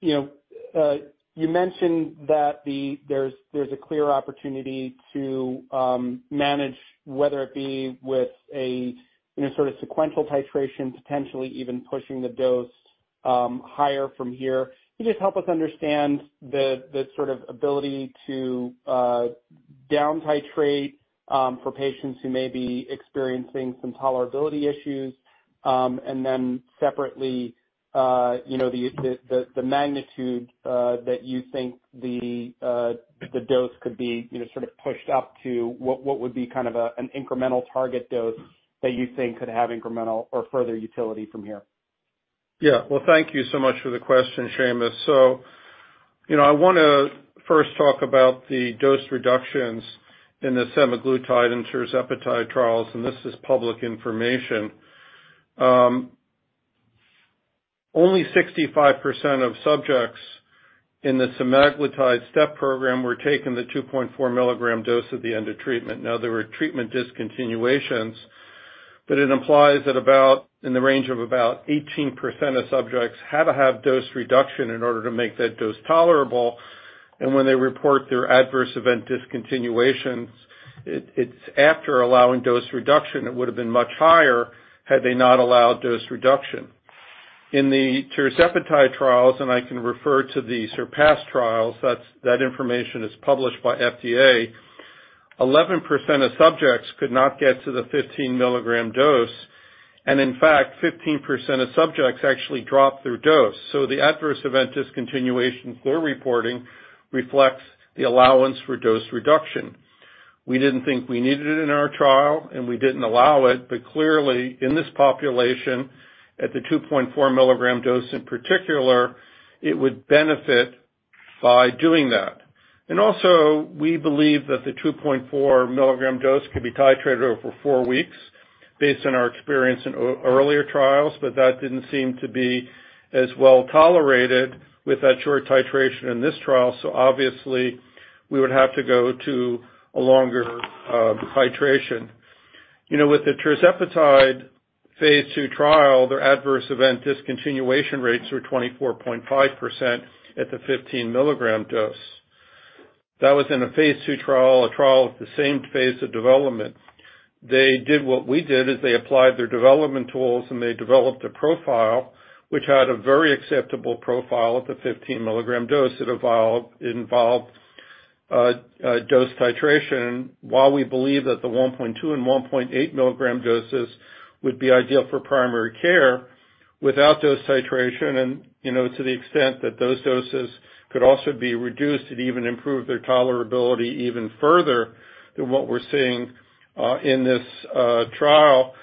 You know, you mentioned that there's a clear opportunity to manage whether it be with a sort of sequential titration, potentially even pushing the dose higher from here. Can you just help us understand the sort of ability to down titrate for patients who may be experiencing some tolerability issues? Separately, you know, the magnitude that you think the dose could be, you know, sort of pushed up to what would be kind of an incremental target dose that you think could have incremental or further utility from here? Yeah. Well, thank you so much for the question, Seamus. you know, I wanna first talk about the dose reductions in the semaglutide and tirzepatide trials, and this is public information. Only 65% of subjects in the semaglutide STEP program were taking the 2.4 milligram dose at the end of treatment. Now, there were treatment discontinuations, but it implies that about, in the range of about 18% of subjects had to have dose reduction in order to make that dose tolerable. When they report their adverse event discontinuations, it's after allowing dose reduction, it would have been much higher had they not allowed dose reduction. In the tirzepatide trials, I can refer to the SURPASS trials, that information is published by FDA. 11% of subjects could not get to the 15 milligram dose. In fact, 15% of subjects actually dropped their dose. The adverse event discontinuation we're reporting reflects the allowance for dose reduction. We didn't think we needed it in our trial. We didn't allow it. Clearly, in this population, at the 2.4 milligram dose in particular, it would benefit by doing that. Also, we believe that the 2.4 milligram dose could be titrated over 4 weeks based on our experience in earlier trials, but that didn't seem to be as well tolerated with that short titration in this trial. Obviously, we would have to go to a longer titration. You know, with the tirzepatide phase II trial, their adverse event discontinuation rates were 24.5% at the 15 milligram dose. That was in a phase II trial, a trial at the same phase of development. They did what we did, is they applied their development tools, and they developed a profile which had a very acceptable profile at the 15 milligram dose. It involved dose titration. While we believe that the 1.2 and 1.8 milligram doses would be ideal for primary care without dose titration, you know, to the extent that those doses could also be reduced, it even improved their tolerability even further than what we're seeing in this trial.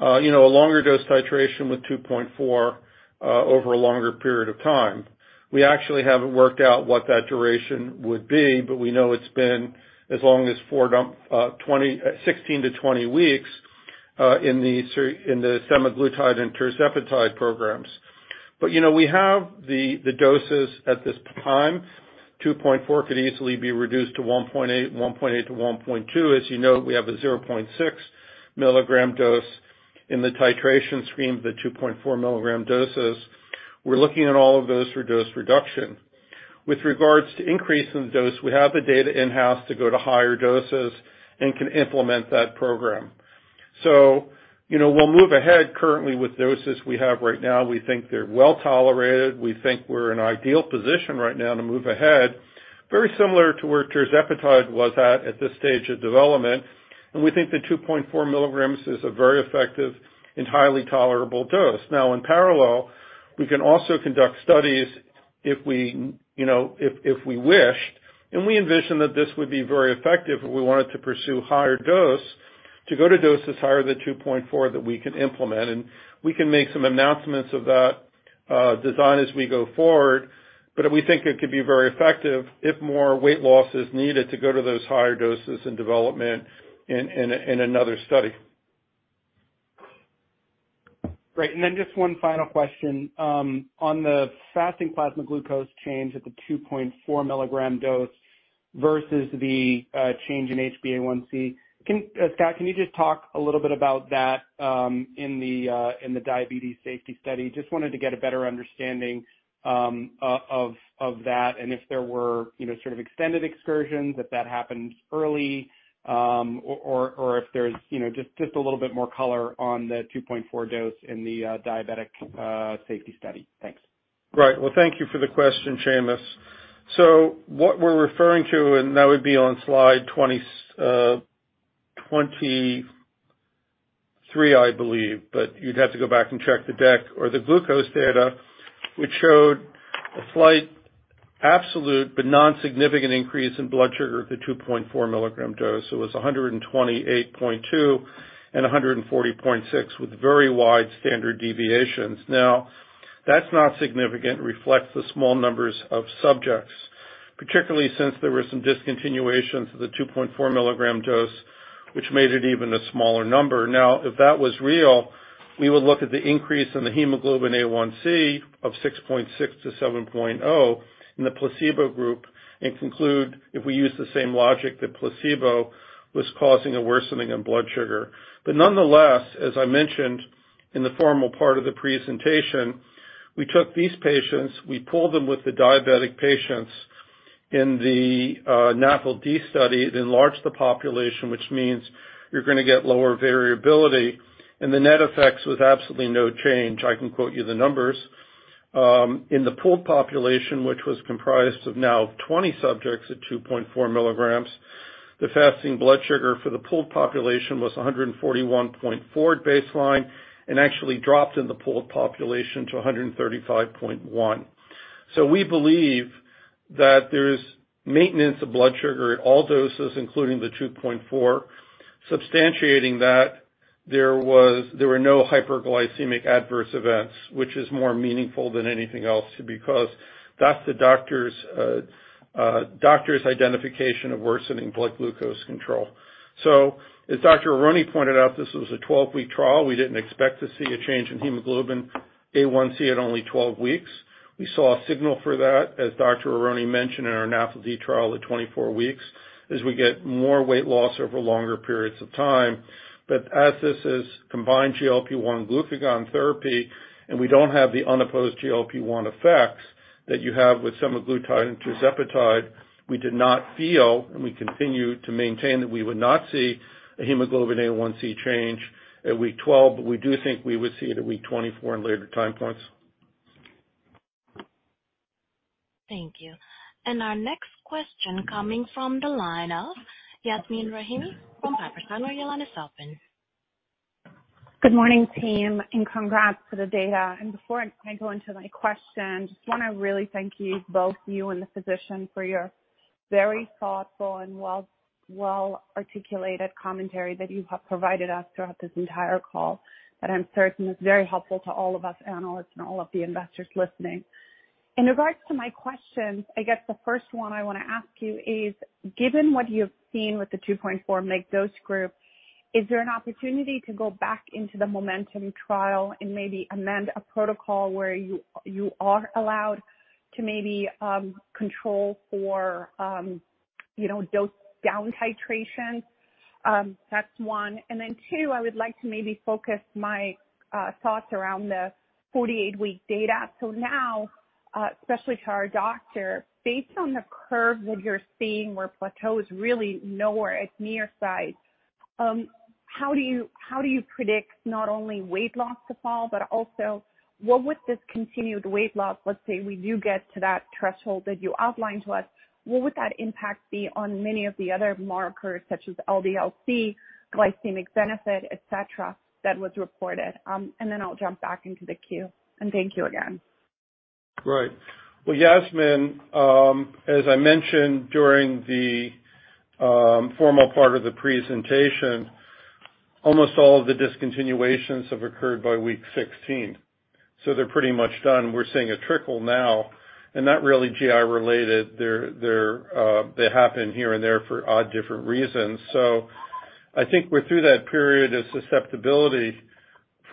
You know, a longer dose titration with 2.4 over a longer period of time. We actually haven't worked out what that duration would be, we know it's been as long as 16-20 weeks in the semaglutide and tirzepatide programs. You know, we have the doses at this time. 2.4 could easily be reduced to 1.8, 1.8-1.2. As you know, we have a 0.6 milligram dose in the titration screen, the 2.4 milligram doses. We're looking at all of those for dose reduction. With regards to increasing the dose, we have the data in-house to go to higher doses and can implement that program. You know, we'll move ahead currently with doses we have right now. We think they're well tolerated. We think we're in ideal position right now to move ahead, very similar to where tirzepatide was at this stage of development. We think the 2.4 mg is a very effective and highly tolerable dose. Now in parallel, we can also conduct studies if we, you know, if we wish, and we envision that this would be very effective if we wanted to pursue higher dose to go to doses higher than 2.4 that we can implement. We can make some announcements of that design as we go forward. We think it could be very effective if more weight loss is needed to go to those higher doses in development in another study. Great. Then just one final question. On the fasting plasma glucose change at the 2.4 milligram dose versus the change in HbA1c, can Scott, can you just talk a little bit about that in the diabetes safety study? Just wanted to get a better understanding of that and if there were, you know, sort of extended excursions, if that happened early, or if there's, you know, just a little bit more color on the 2.4 dose in the diabetic safety study. Thanks. Right. Well, thank you for the question, Seamus. What we're referring to, and that would be on slide 20, 23, I believe, but you'd have to go back and check the deck or the glucose data, which showed a slight absolute but non-significant increase in blood sugar at the 2.4 mg dose. It was 128.2 and 140.6, with very wide standard deviations. That's not significant, reflects the small numbers of subjects. Particularly since there were some discontinuations of the 2.4 mg dose, which made it even a smaller number. If that was real, we would look at the increase in the hemoglobin A1c of 6.6-7.0 in the placebo group and conclude, if we use the same logic, that placebo was causing a worsening in blood sugar. Nonetheless, as I mentioned in the formal part of the presentation, we took these patients, we pooled them with the diabetic patients in the NAFLD study to enlarge the population, which means you're gonna get lower variability, and the net effect was absolutely no change. I can quote you the numbers. In the pooled population, which was comprised of now 20 subjects at 2.4 mg, the fasting blood sugar for the pooled population was 141.4 at baseline and actually dropped in the pooled population to 135.1. We believe that there's maintenance of blood sugar at all doses, including the 2.4. Substantiating that there were no hyperglycemic adverse events, which is more meaningful than anything else because that's the doctor's identification of worsening blood glucose control. As Dr. Aronne pointed out, this was a 12-week trial. We didn't expect to see a change in hemoglobin A1c at only 12 weeks. We saw a signal for that, as Dr. Aronne mentioned in our NAFLD trial at 24 weeks, as we get more weight loss over longer periods of time. As this is combined GLP-1 glucagon therapy, and we don't have the unopposed GLP-1 effects that you have with semaglutide and tirzepatide, we did not feel, and we continue to maintain, that we would not see a hemoglobin A1c change at week 12, but we do think we would see it at week 24 and later time points. Thank you. Our next question coming from the line of Yasmeen Rahimi from Piper Sandler. Your line is open. Good morning, team, congrats for the data. Before I go into my question, just wanna really thank you, both you and the physician, for your very thoughtful and well-articulated commentary that you have provided us throughout this entire call, that I'm certain is very helpful to all of us analysts and all of the investors listening. In regards to my questions, I guess the first one I wanna ask you is, given what you've seen with the 2.4 mig dose group, is there an opportunity to go back into the MOMENTUM trial and maybe amend a protocol where you are allowed to maybe control for, you know, dose down titration? That's one. Then two, I would like to maybe focus my thoughts around the 48-week data. Now, especially to our doctor, based on the curve that you're seeing, where plateau is really nowhere at near sight, how do you predict not only weight loss to fall, but also what would this continued weight loss, let's say we do get to that threshold that you outlined to us, what would that impact be on many of the other markers such as LDL-C, glycemic benefit, et cetera, that was reported? Then I'll jump back into the queue. Thank you again. Right. Well, Yasmeen, as I mentioned during the formal part of the presentation, almost all of the discontinuations have occurred by week 16, so they're pretty much done. We're seeing a trickle now and not really GI related. They happen here and there for odd different reasons. I think we're through that period of susceptibility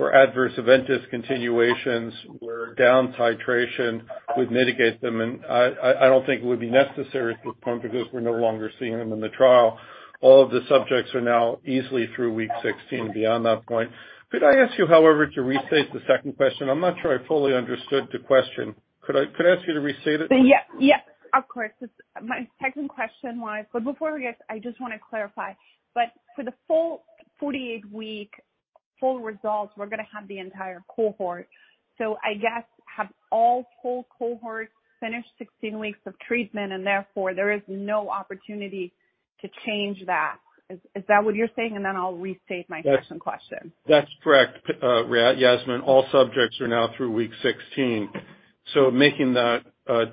for adverse event discontinuations where down titration would mitigate them, and I don't think it would be necessary at this point because we're no longer seeing them in the trial. All of the subjects are now easily through week 16 and beyond that point. Could I ask you, however, to restate the second question? I'm not sure I fully understood the question. Could I ask you to restate it? Yes, of course. My second question. Before we get, I just wanna clarify, but for the full 48-week full results, we're gonna have the entire cohort. I guess, have all full cohorts finished 16 weeks of treatment and therefore there is no opportunity to change that? Is that what you're saying? Then I'll restate my second question. That's correct, Yasmeen. All subjects are now through week 16, so making that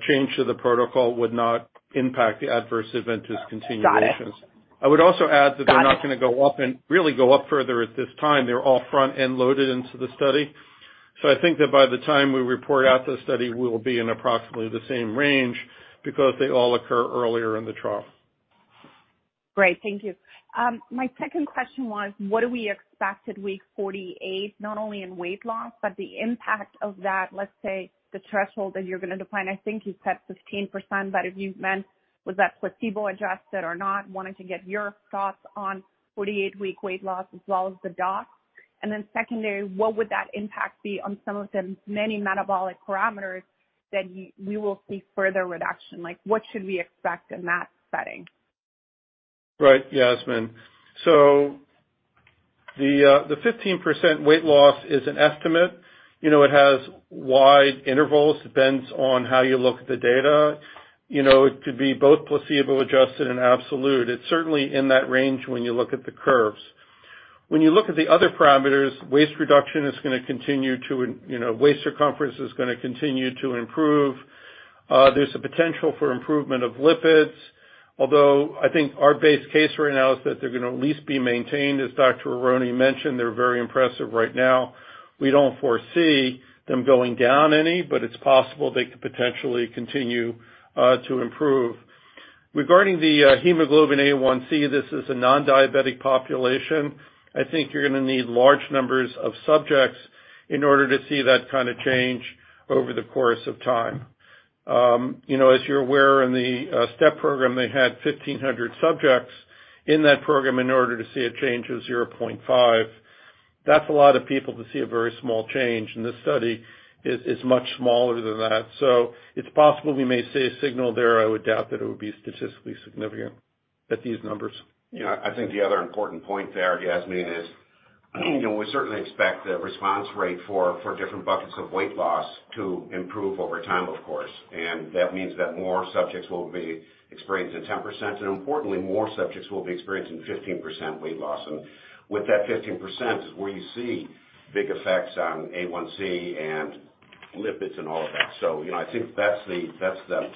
change to the protocol would not impact the adverse event discontinuations. Got it. I would also add that they're not gonna go up and really go up further at this time. They're all front-end loaded into the study. I think that by the time we report out the study, we will be in approximately the same range because they all occur earlier in the trial. Great. Thank you. My second question was what do we expect at week 48, not only in weight loss, but the impact of that, let's say, the threshold that you're gonna define? I think you said 15%, but if you've meant was that placebo-adjusted or not, wanting to get your thoughts on 48 week weight loss as well as the doc's. Secondly, what would that impact be on some of the many metabolic parameters that we will see further reduction? Like, what should we expect in that setting? Right, Yasmeen. The 15% weight loss is an estimate. You know, it has wide intervals. Depends on how you look at the data. You know, it could be both placebo-adjusted and absolute. It's certainly in that range when you look at the curves. When you look at the other parameters, waist reduction is gonna continue to, you know, waist circumference is gonna continue to improve. There's a potential for improvement of lipids. Although I think our base case right now is that they're gonna at least be maintained. As Dr. Aronne mentioned, they're very impressive right now. We don't foresee them going down any, but it's possible they could potentially continue to improve. Regarding the hemoglobin A1c, this is a non-diabetic population. I think you're gonna need large numbers of subjects in order to see that kind of change over the course of time. you know, as you're aware, in the STEP program, they had 1,500 subjects in that program in order to see a change of 0.5. That's a lot of people to see a very small change, and this study is much smaller than that. It's possible we may see a signal there. I would doubt that it would be statistically significant at these numbers. You know, I think the other important point there, Yasmeen, is, you know, we certainly expect the response rate for different buckets of weight loss to improve over time, of course. That means that more subjects will be experiencing 10%, and importantly, more subjects will be experiencing 15% weight loss. With that 15% is where you see big effects on A1C and lipids and all of that. You know, I think that's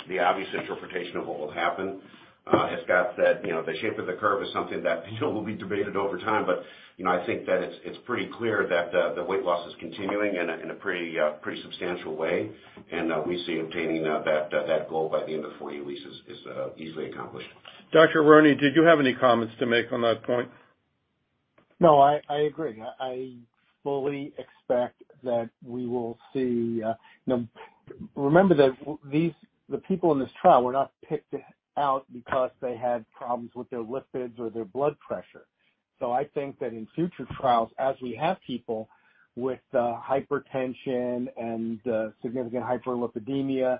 the obvious interpretation of what will happen. As Scott said, you know, the shape of the curve is something that, you know, will be debated over time. You know, I think that it's pretty clear that the weight loss is continuing in a pretty substantial way. We see obtaining that goal by the end of 48 weeks is easily accomplished. Dr. Aronne, did you have any comments to make on that point? No, I agree. I fully expect that we will see. Now remember that these, the people in this trial were not picked out because they had problems with their lipids or their blood pressure. I think that in future trials, as we have people with hypertension and significant hyperlipidemia,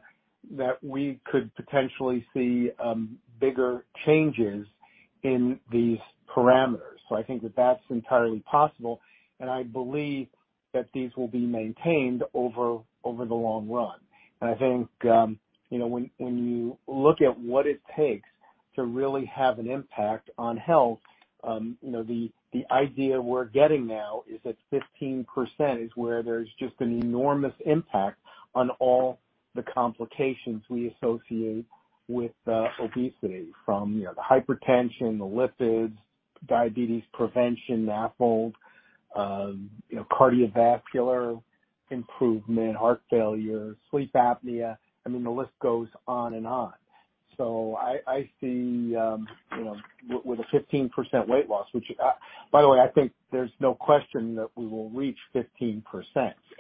that we could potentially see bigger changes in these parameters. I think that that's entirely possible, and I believe that these will be maintained over the long run. I think, you know, when you look at what it takes to really have an impact on health, you know, the idea we're getting now is that 15% is where there's just an enormous impact on all the complications we associate with obesity, from, you know, the hypertension, the lipids, diabetes prevention, NAFLD, you know, cardiovascular improvement, heart failure, sleep apnea. I mean, the list goes on and on. I see, you know, with a 15% weight loss, which, by the way, I think there's no question that we will reach 15%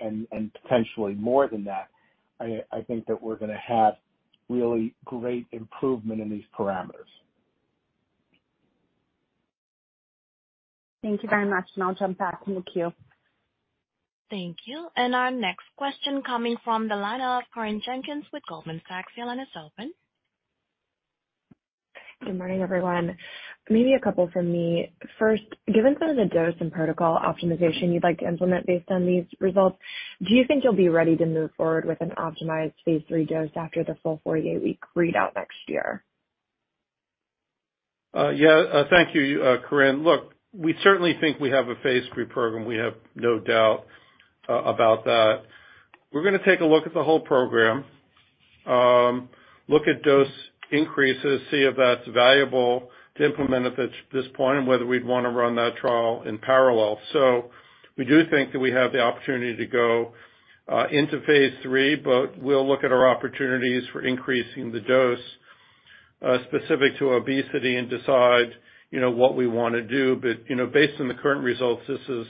and potentially more than that. I think that we're gonna have really great improvement in these parameters. Thank you very much. I'll jump back in the queue. Thank you. Our next question coming from the line of Corinne Jenkins with Goldman Sachs. Your line is open. Good morning, everyone. Maybe a couple from me. First, given some of the dose and protocol optimization you'd like to implement based on these results, do you think you'll be ready to move forward with an optimized phase III dose after the full 48-week readout next year? Yeah. Thank you, Corinne. Look, we certainly think we have a phase III program. We have no doubt about that. We're gonna take a look at the whole program, look at dose increases, see if that's valuable to implement at this point and whether we'd wanna run that trial in parallel. We do think that we have the opportunity to go into phase III, but we'll look at our opportunities for increasing the dose specific to obesity and decide, you know, what we wanna do. You know, based on the current results, this is,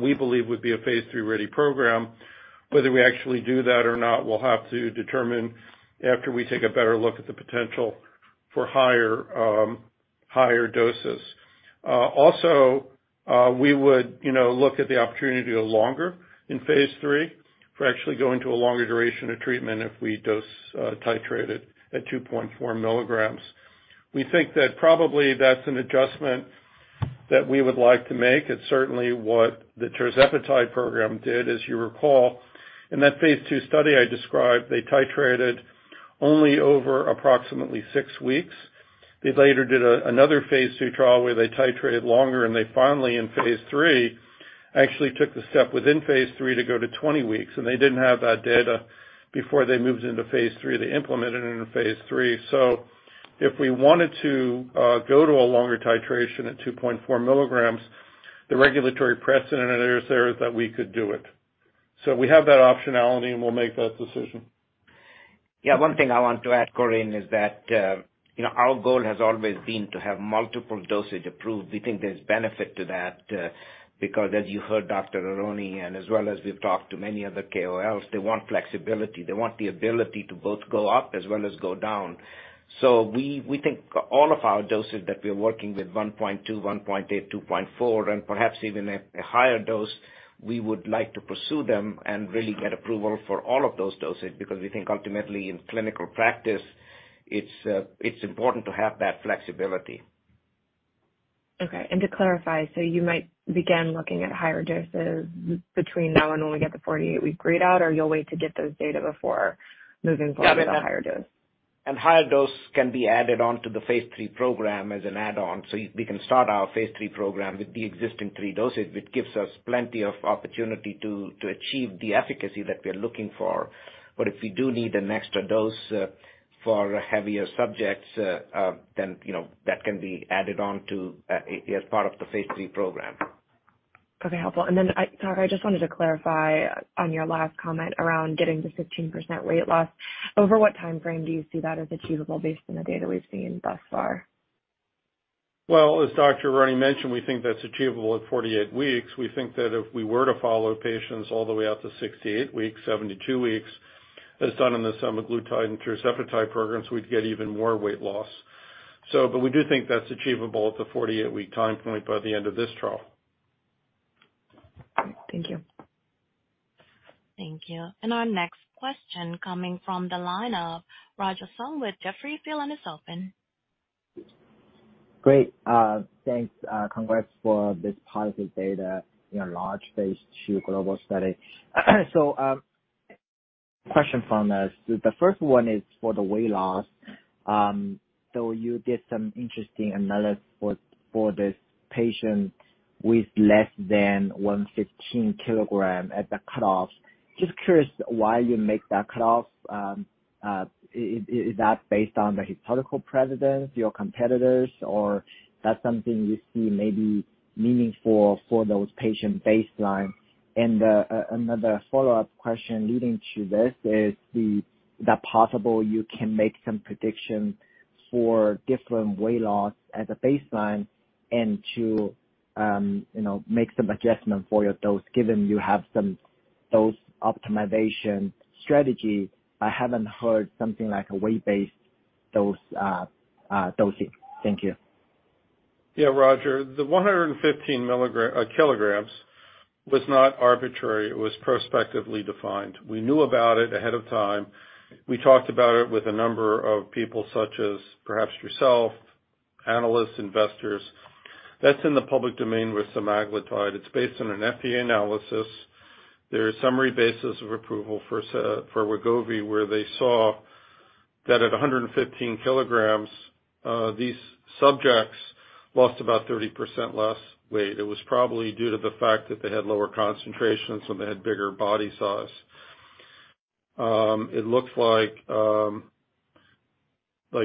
we believe, would be a phase III-ready program. Whether we actually do that or not, we'll have to determine after we take a better look at the potential for higher doses. Also, we would, you know, look at the opportunity to go longer in phase III for actually going to a longer duration of treatment if we dose titrated at 2.4 milligrams. We think that probably that's an adjustment that we would like to make. It's certainly what the tirzepatide program did. As you recall, in that phase II study I described, they titrated only over approximately 6 weeks. They later did another phase II trial where they titrated longer, and they finally, in phase III, actually took the step within phase III to go to 20 weeks, and they didn't have that data before they moved into phase III. They implemented it in phase III. If we wanted to go to a longer titration at 2.4 milligrams, the regulatory precedent is there that we could do it. We have that optionality, and we'll make that decision. Yeah. One thing I want to add, Corinne, is that, you know, our goal has always been to have multiple dosage approved. We think there's benefit to that, because as you heard Dr. Aronne, and as well as we've talked to many other KOLs, they want flexibility. They want the ability to both go up as well as go down. We think all of our doses that we're working with, 1.2, 1.8, 2.4, and perhaps even a higher dose, we would like to pursue them and really get approval for all of those dosage. Because we think ultimately in clinical practice, it's important to have that flexibility. Okay. To clarify, you might begin looking at higher doses between now and when we get the 48 week readout, or you'll wait to get those data before moving forward on the higher dose? Higher dose can be added on to the phase III program as an add-on. We can start our phase III program with the existing 3 dosage, which gives us plenty of opportunity to achieve the efficacy that we're looking for. If we do need an extra dose for heavier subjects, then, you know, that can be added on as part of the phase III program. Okay, helpful. Sorry, I just wanted to clarify on your last comment around getting the 15% weight loss. Over what time frame do you see that as achievable based on the data we've seen thus far? As Dr. Aronne mentioned, we think that's achievable at 48 weeks. We think that if we were to follow patients all the way out to 68 weeks, 72 weeks, as done in the semaglutide and tirzepatide programs, we'd get even more weight loss. But we do think that's achievable at the 48-week time point by the end of this trial. Thank you. Thank you. Our next question coming from the line of Roger Song with Jefferies. Your line is open. Great. Thanks. Congrats for this positive data in a large phase II global study. Question from us. The first one is for the weight loss. You did some interesting analysis for this patient with less than 115 kg at the cutoffs. Just curious why you make that cutoff. Is that based on the historical precedence, your competitors, or that's something you see maybe meaningful for those patient baseline? Another follow-up question leading to this is that possible you can make some predictions for different weight loss as a baseline and to, you know, make some adjustment for your dose, given you have some dose optimization strategy. I haven't heard something like a weight-based dose dosing. Thank you. Yeah, Roger, the 115 milligram kilograms was not arbitrary. It was prospectively defined. We knew about it ahead of time. We talked about it with a number of people, such as perhaps yourself, analysts, investors. That's in the public domain with semaglutide. It's based on an FDA analysis. There's summary basis of approval for Wegovy, where they saw that at 115 kilograms, these subjects lost about 30% less weight. It was probably due to the fact that they had lower concentration, some had bigger body size. It looks like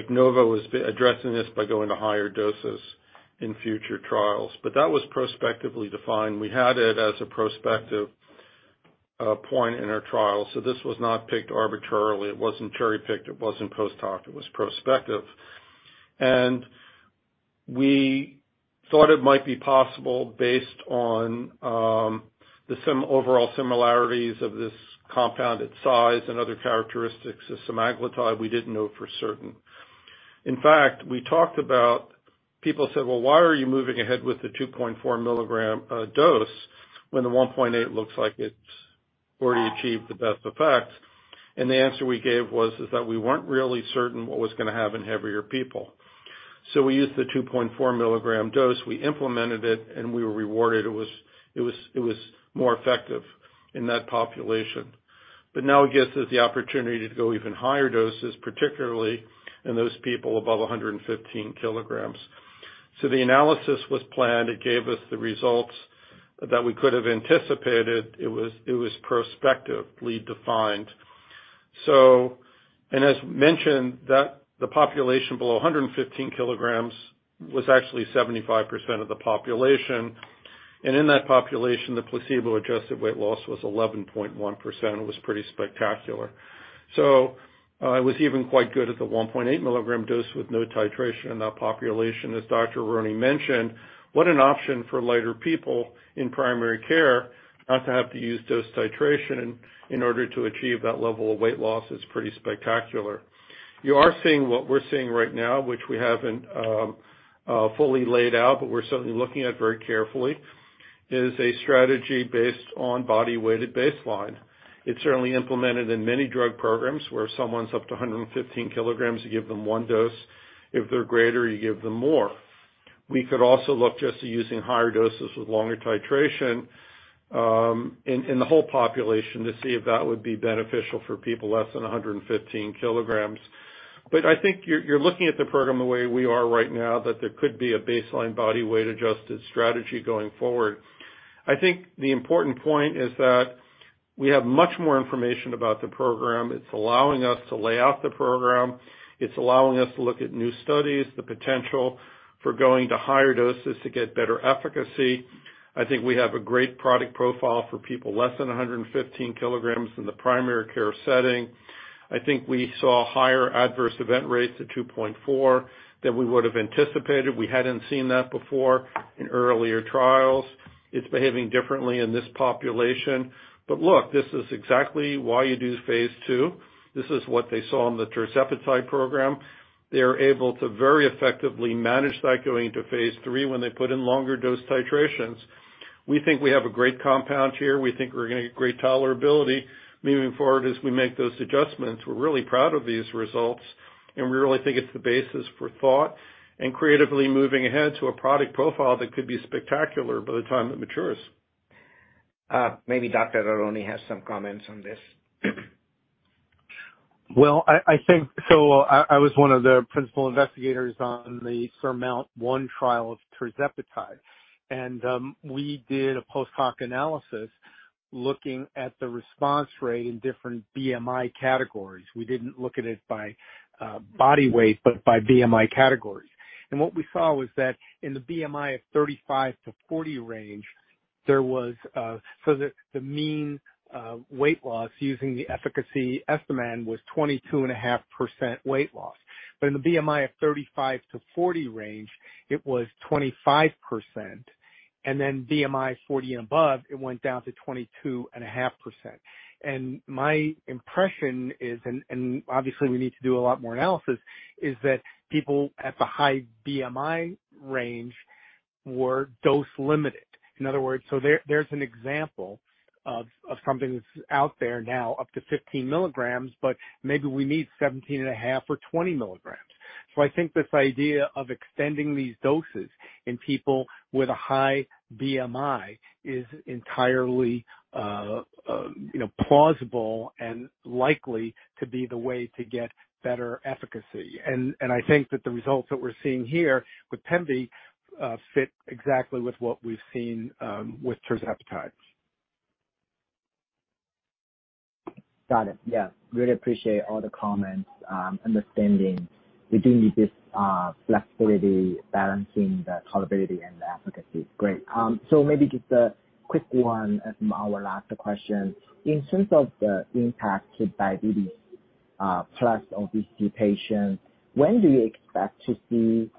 Novo is addressing this by going to higher doses in future trials. That was prospectively defined. We had it as a prospective point in our trial. This was not picked arbitrarily. It wasn't cherry-picked, it wasn't post-hoc, it was prospective. We thought it might be possible based on the overall similarities of this compounded size and other characteristics of semaglutide. We didn't know for certain. We talked about people said, "Well, why are you moving ahead with the 2.4 milligram dose when the 1.8 looks like it's already achieved the best effect?" The answer we gave was is that we weren't really certain what was gonna happen in heavier people. We used the 2.4 milligram dose. We implemented it and we were rewarded. It was more effective in that population. Now it gives us the opportunity to go even higher doses, particularly in those people above 115 kilograms. The analysis was planned. It gave us the results that we could have anticipated. It was prospectively defined. As mentioned, that the population below 115 kilograms was actually 75% of the population. In that population, the placebo-adjusted weight loss was 11.1%. It was pretty spectacular. It was even quite good at the 1.8 milligram dose with no titration in that population. As Dr. Aronne mentioned, what an option for lighter people in primary care not to have to use dose titration in order to achieve that level of weight loss is pretty spectacular. You are seeing what we're seeing right now, which we haven't fully laid out, but we're certainly looking at very carefully, is a strategy based on body weight at baseline. It's certainly implemented in many drug programs, where if someone's up to 115 kilograms, you give them one dose. If they're greater, you give them more. We could also look just to using higher doses with longer titration in the whole population to see if that would be beneficial for people less than 115 kg. I think you're looking at the program the way we are right now, that there could be a baseline body weight-adjusted strategy going forward. I think the important point is that we have much more information about the program. It's allowing us to lay out the program. It's allowing us to look at new studies, the potential for going to higher doses to get better efficacy. I think we have a great product profile for people less than 115 kg in the primary care setting. I think we saw higher adverse event rates at 2.4 than we would've anticipated. We hadn't seen that before in earlier trials. It's behaving differently in this population. Look, this is exactly why you do phase II. This is what they saw in the tirzepatide program. They're able to very effectively manage that going into phase III when they put in longer dose titrations. We think we have a great compound here. We think we're gonna get great tolerability moving forward as we make those adjustments. We're really proud of these results, and we really think it's the basis for thought and creatively moving ahead to a product profile that could be spectacular by the time it matures. maybe Dr. Aronne has some comments on this. Well, I think so, I was one of the principal investigators on the SURMOUNT-1 trial of tirzepatide. We did a post-hoc analysis. Looking at the response rate in different BMI categories. We didn't look at it by body weight, but by BMI categories. What we saw was that in the BMI of 35-40 range, there was, so the mean weight loss using the efficacy estimate was 22.5% weight loss. In the BMI of 35-40 range, it was 25%, and then BMI 40 and above it went down to 22.5%. My impression is, and obviously we need to do a lot more analysis, is that people at the high BMI range were dose limited. In other words, there's an example of something that's out there now up to 15 milligrams, but maybe we need 17.5 or 20 milligrams. I think this idea of extending these doses in people with a high BMI is entirely, you know, plausible and likely to be the way to get better efficacy. I think that the results that we're seeing here with pemvi fit exactly with what we've seen with tirzepatide. Got it. Yeah, really appreciate all the comments, understanding we do need this flexibility, balancing the tolerability and the efficacy. Great. Maybe just a quick one from our last question. In terms of the impact to diabetes plus obesity patients, when do you expect to see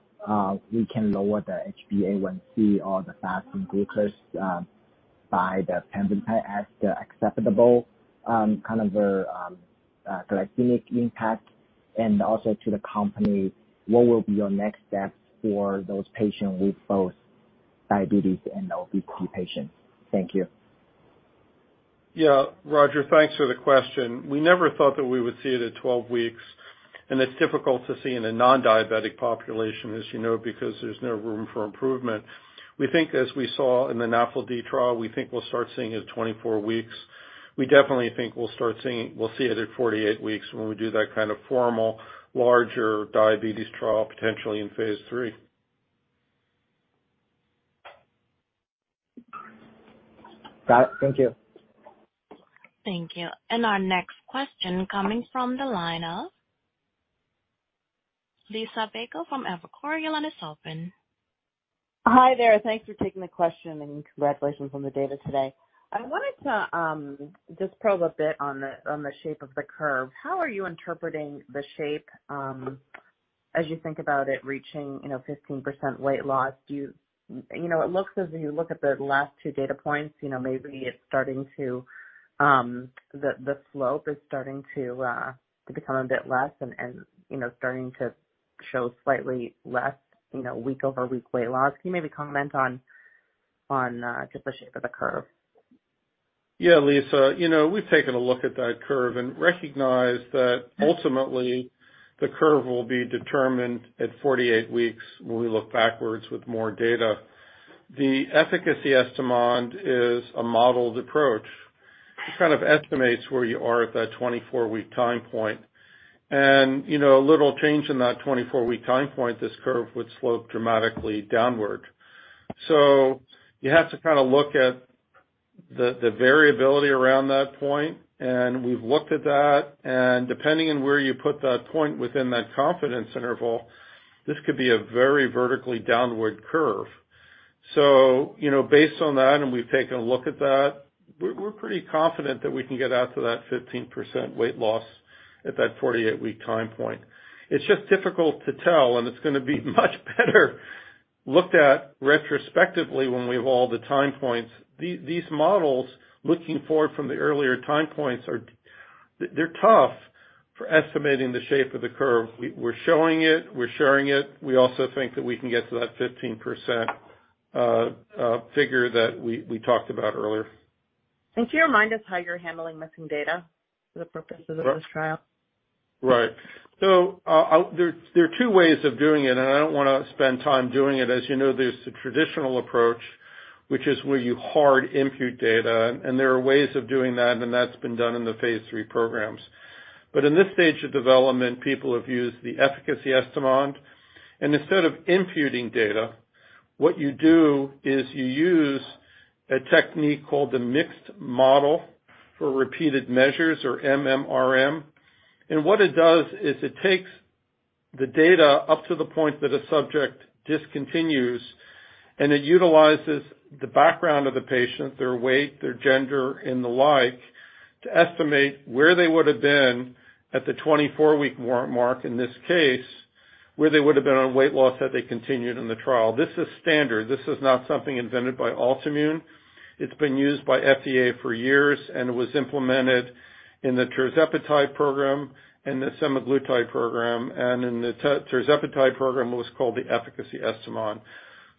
we can lower the HbA1c or the fasting glucose by the pemvi as the acceptable glycemic impact? Also to the company, what will be your next step for those patients with both diabetes and obesity patients? Thank you. Yeah. Roger, thanks for the question. We never thought that we would see it at 12 weeks, and it's difficult to see in a non-diabetic population as you know, because there's no room for improvement. We think as we saw in the NAFLD trial, we think we'll start seeing it at 24 weeks. We definitely think we'll see it at 48 weeks when we do that kind of formal larger diabetes trial, potentially in phase III. Got it. Thank you. Thank you. Our next question coming from the line of Liisa Bayko from Evercore. Your line is open. Hi there. Thanks for taking the question and congratulations on the data today. I wanted to just probe a bit on the, on the shape of the curve. How are you interpreting the shape as you think about it reaching, you know, 15% weight loss? Do you know, it looks as if you look at the last two data points, you know, maybe it's starting to, the slope is starting to become a bit less and, you know, starting to show slightly less, you know, week-over-week weight loss. Can you maybe comment on just the shape of the curve? Yeah, Liisa. You know, we've taken a look at that curve and recognized that ultimately the curve will be determined at 48 weeks when we look backwards with more data. The efficacy estimand is a modeled approach. It kind of estimates where you are at that 24-week time point. You know, a little change in that 24-week time point, this curve would slope dramatically downward. You have to kind of look at the variability around that point. We've looked at that, and depending on where you put that point within that confidence interval, this could be a very vertically downward curve. You know, based on that, and we've taken a look at that, we're pretty confident that we can get out to that 15% weight loss at that 48-week time point. It's just difficult to tell, and it's gonna be much better looked at retrospectively when we have all the time points. These models looking forward from the earlier time points are, they're tough for estimating the shape of the curve. We're showing it, we're sharing it. We also think that we can get to that 15% figure that we talked about earlier. Can you remind us how you're handling missing data for the purposes of this trial? Right. There are two ways of doing it. I don't wanna spend time doing it. As you know, there's the traditional approach, which is where you hard impute data, and there are ways of doing that, and that's been done in the phase III programs. In this stage of development, people have used the efficacy estimand. Instead of imputing data, what you do is you use a technique called the Mixed Model for Repeated Measures or MMRM. What it does is it takes the data up to the point that a subject discontinues, and it utilizes the background of the patient, their weight, their gender, and the like, to estimate where they would have been at the 24-week mark in this case, where they would have been on weight loss had they continued in the trial. This is standard. This is not something invented by Altimmune. It's been used by FDA for years. It was implemented in the tirzepatide program and the semaglutide program. In the tirzepatide program, it was called the efficacy estimand.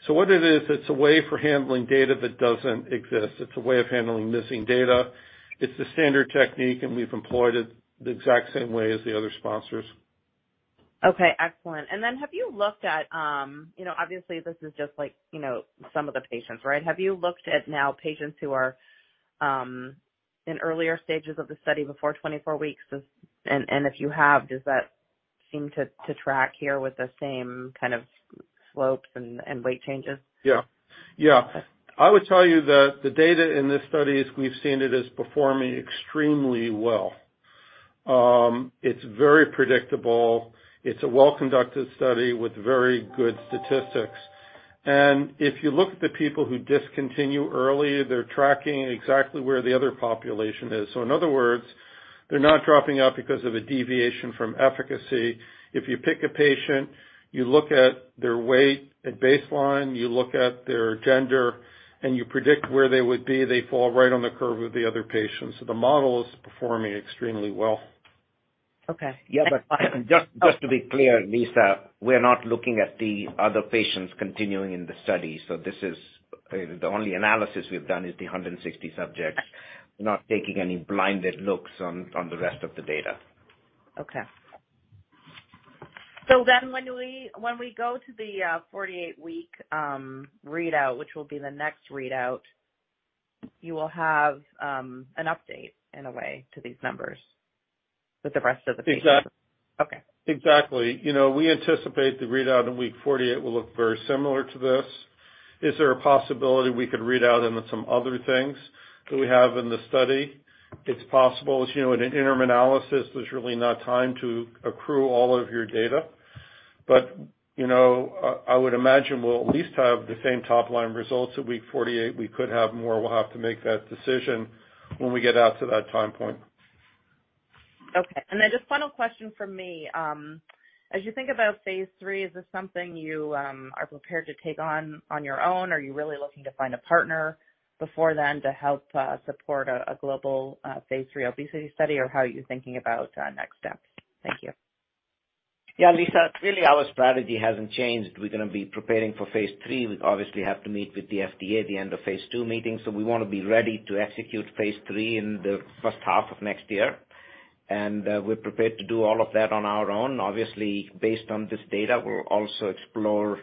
What it is, it's a way for handling data that doesn't exist. It's a way of handling missing data. It's a standard technique. We've employed it the exact same way as the other sponsors. Okay, excellent. Then have you looked at, you know, obviously this is just like, you know, some of the patients, right? Have you looked at now patients who are in earlier stages of the study before 24 weeks? If you have, does that seem to track here with the same kind of slopes and weight changes? Yeah. Yeah. I would tell you that the data in this study, as we've seen it, is performing extremely well. It's very predictable. It's a well-conducted study with very good statistics. If you look at the people who discontinue early, they're tracking exactly where the other population is. In other words, they're not dropping out because of a deviation from efficacy. If you pick a patient, you look at their weight at baseline, you look at their gender, and you predict where they would be, they fall right on the curve with the other patients. The model is performing extremely well. Okay. Just to be clear, Liisa, we're not looking at the other patients continuing in the study. The only analysis we've done is the 160 subjects, not taking any blinded looks on the rest of the data. Okay. When we go to the 48-week readout, which will be the next readout, you will have an update in a way to these numbers with the rest of the patients. Exactly. Okay. Exactly. You know, we anticipate the readout in week 48 will look very similar to this. Is there a possibility we could read out into some other things that we have in the study? It's possible. As you know, in an interim analysis, there's really not time to accrue all of your data. You know, I would imagine we'll at least have the same top-line results at week 48. We could have more. We'll have to make that decision when we get out to that time point. Okay. Then just final question from me. As you think about phase III, is this something you are prepared to take on on your own? Are you really looking to find a partner before then to help support a global phase III obesity study? How are you thinking about next steps? Thank you. Yeah, Lisa, really, our strategy hasn't changed. We're gonna be preparing for phase III. We obviously have to meet with the FDA at the end of phase II meetings, we wanna be ready to execute phase III in the first half of next year. We're prepared to do all of that on our own. Obviously, based on this data, we'll also explore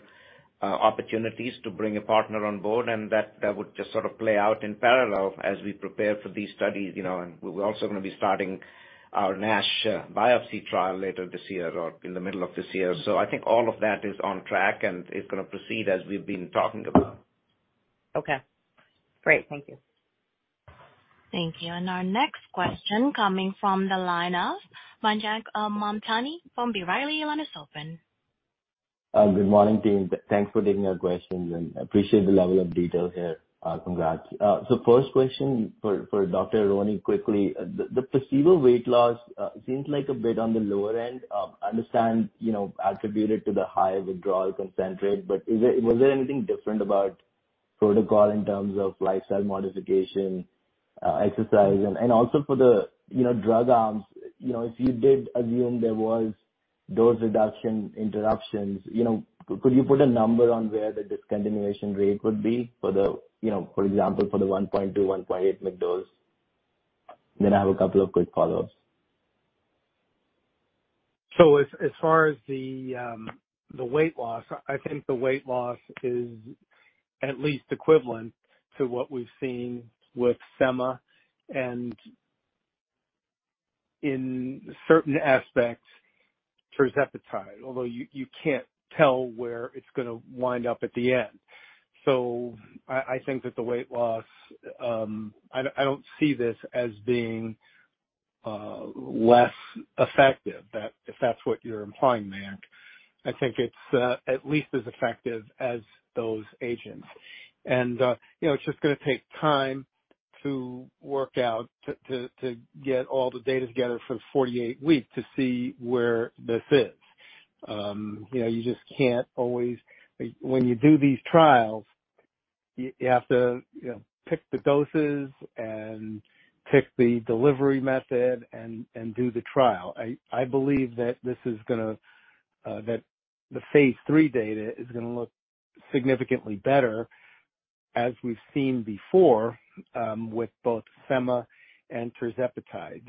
opportunities to bring a partner on board, that would just sort of play out in parallel as we prepare for these studies, you know. We're also gonna be starting our NASH biopsy trial later this year or in the middle of this year. I think all of that is on track, it's gonna proceed as we've been talking about. Okay. Great. Thank you. Thank you. Our next question coming from the line of Mayank Mamtani from B. Riley, your line is open. Good morning, team. Thanks for taking our questions and appreciate the level of detail here. Congrats. First question for Dr. Aronne quickly. The placebo weight loss seems like a bit on the lower end. Understand, you know, attributed to the high withdrawal concentrate. Is there, was there anything different about protocol in terms of lifestyle modification, exercise? Also for the, you know, drug arms, you know, if you did assume there was dose reduction interruptions, you know, could you put a number on where the discontinuation rate would be for the, you know, for example, for the 1.2, 1.8 mg dose? I have a couple of quick follow-ups. As far as the weight loss, I think the weight loss is at least equivalent to what we've seen with SEMA and in certain aspects, tirzepatide, although you can't tell where it's gonna wind up at the end. I think that the weight loss, I don't see this as being less effective, if that's what you're implying there. I think it's at least as effective as those agents. You know, it's just gonna take time to work out, to get all the data together for 48 weeks to see where this is. You know, you just can't always... When you do these trials, you have to, you know, pick the doses and pick the delivery method and do the trial. I believe that this is gonna that the phase III data is gonna look significantly better, as we've seen before, with both SEMA and tirzepatide.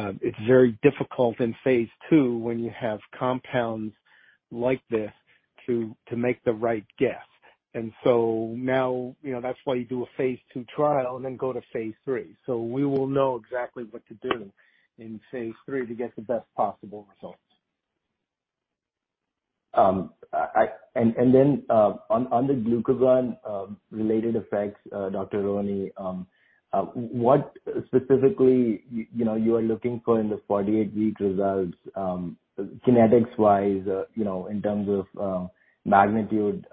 It's very difficult in phase II when you have compounds like this to make the right guess. Now, you know, that's why you do a phase II trial and then go to phase III. We will know exactly what to do in phase III to get the best possible results. On the glucagon related effects, Dr. Aronne, what specifically you know, you are looking for in the 48-week results, kinetics wise, you know, in terms of magnitude,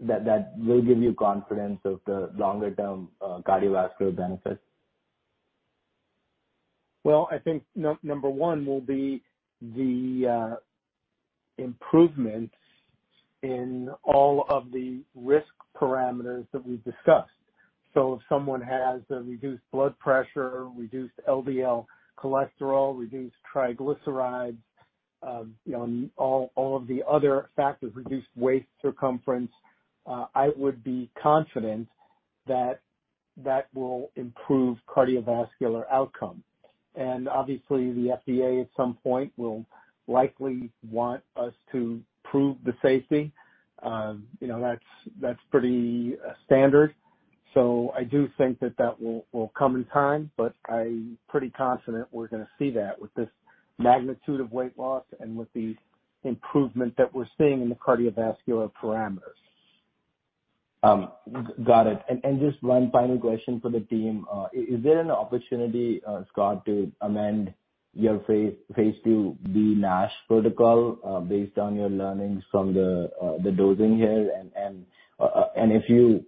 that will give you confidence of the longer term cardiovascular benefits? Well, I think number one will be the improvements in all of the risk parameters that we've discussed. If someone has a reduced blood pressure, reduced LDL cholesterol, reduced triglycerides, you know, all of the other factors, reduced waist circumference, I would be confident that that will improve cardiovascular outcome. Obviously, the FDA at some point will likely want us to prove the safety. You know, that's pretty standard. I do think that that will come in time, but I'm pretty confident we're gonna see that with this magnitude of weight loss and with the improvement that we're seeing in the cardiovascular parameters. got it. Just one final question for the team. Is there an opportunity, Scott, to amend your phase IIB NASH protocol, based on your learnings from the dosing here and if you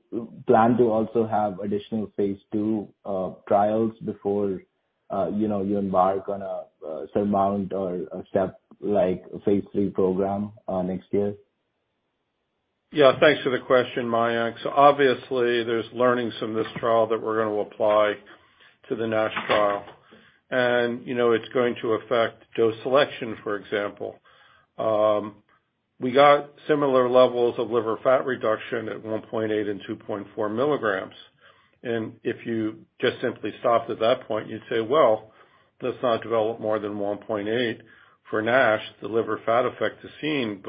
plan to also have additional phase II trials before, you know, you embark on a SURMOUNT or a STEP like phase III program next year? Yeah. Thanks for the question, Mayank. Obviously there's learnings from this trial that we're gonna apply to the NASH trial. You know, it's going to affect dose selection, for example. We got similar levels of liver fat reduction at 1.8 and 2.4 milligrams. If you just simply stopped at that point, you'd say, "Well, let's not develop more than 1.8 for NASH. The liver fat effect is seen."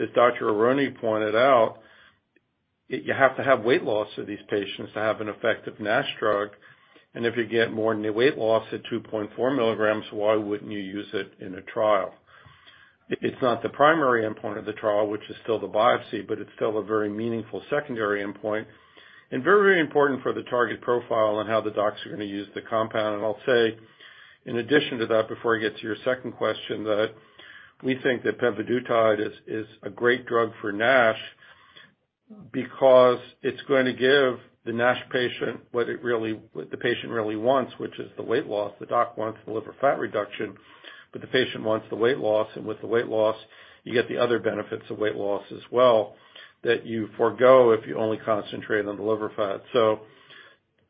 As Dr. Aronne pointed out, you have to have weight loss of these patients to have an effective NASH drug. If you get more new weight loss at 2.4 milligrams, why wouldn't you use it in a trial? It's not the primary endpoint of the trial, which is still the biopsy, but it's still a very meaningful secondary endpoint and very, very important for the target profile and how the docs are gonna use the compound. I'll say, in addition to that, before I get to your second question, that we think that pemvidutide is a great drug for NASH because it's going to give the NASH patient what the patient really wants, which is the weight loss. The doc wants the liver fat reduction, the patient wants the weight loss. With the weight loss, you get the other benefits of weight loss as well that you forego if you only concentrate on the liver fat.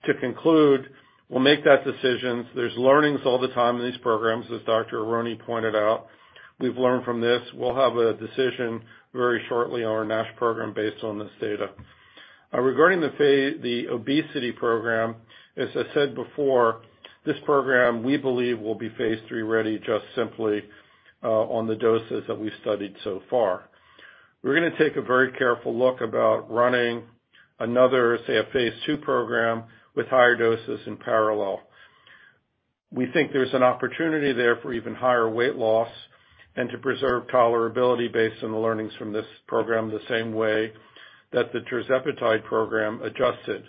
To conclude, we'll make that decision. There's learnings all the time in these programs, as Dr. Aronne pointed out. We've learned from this. We'll have a decision very shortly on our NASH program based on this data. Regarding the obesity program, as I said before, this program, we believe, will be phase III-ready just simply on the doses that we studied so far. We're gonna take a very careful look about running another, say, a phase II program with higher doses in parallel. We think there's an opportunity there for even higher weight loss and to preserve tolerability based on the learnings from this program, the same way that the tirzepatide program adjusted.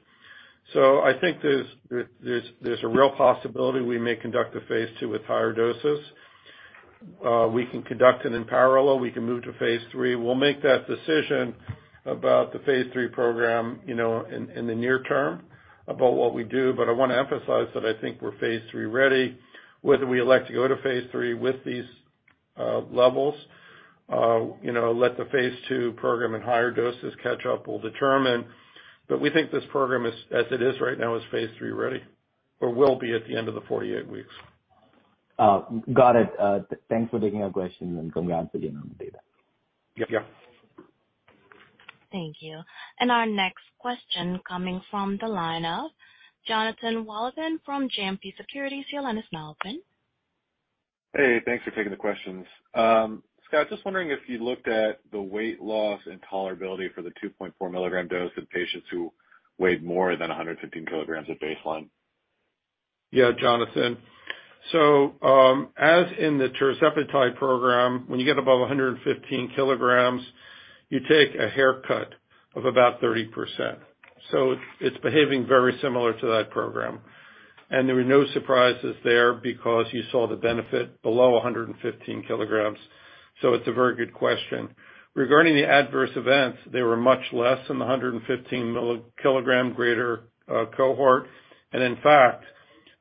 I think there's a real possibility we may conduct a phase II with higher doses. We can conduct it in parallel. We can move to phase III. We'll make that decision about the phase III program, you know, in the near term about what we do. I wanna emphasize that I think we're phase III-ready. Whether we elect to go to phase III with these, levels, you know, let the phase II program at higher doses catch up, we'll determine. We think this program is, as it is right now, is phase III-ready or will be at the end of the 48 weeks. Got it. Thanks for taking our questions and congrats again on the data. Yep. Yeah. Thank you. Our next question coming from the line of Jonathan Wolleben from JMP Securities. Your line is now open. Hey. Thanks for taking the questions. Scott, just wondering if you looked at the weight loss and tolerability for the 2.4 milligram dose in patients who weighed more than 115 kilograms at baseline? Jonathan. As in the tirzepatide program, when you get above 115 kilograms, you take a haircut of about 30%. It's behaving very similar to that program. There were no surprises there because you saw the benefit below 115 kilograms. It's a very good question. Regarding the adverse events, they were much less than the 115 kilogram greater cohort. In fact,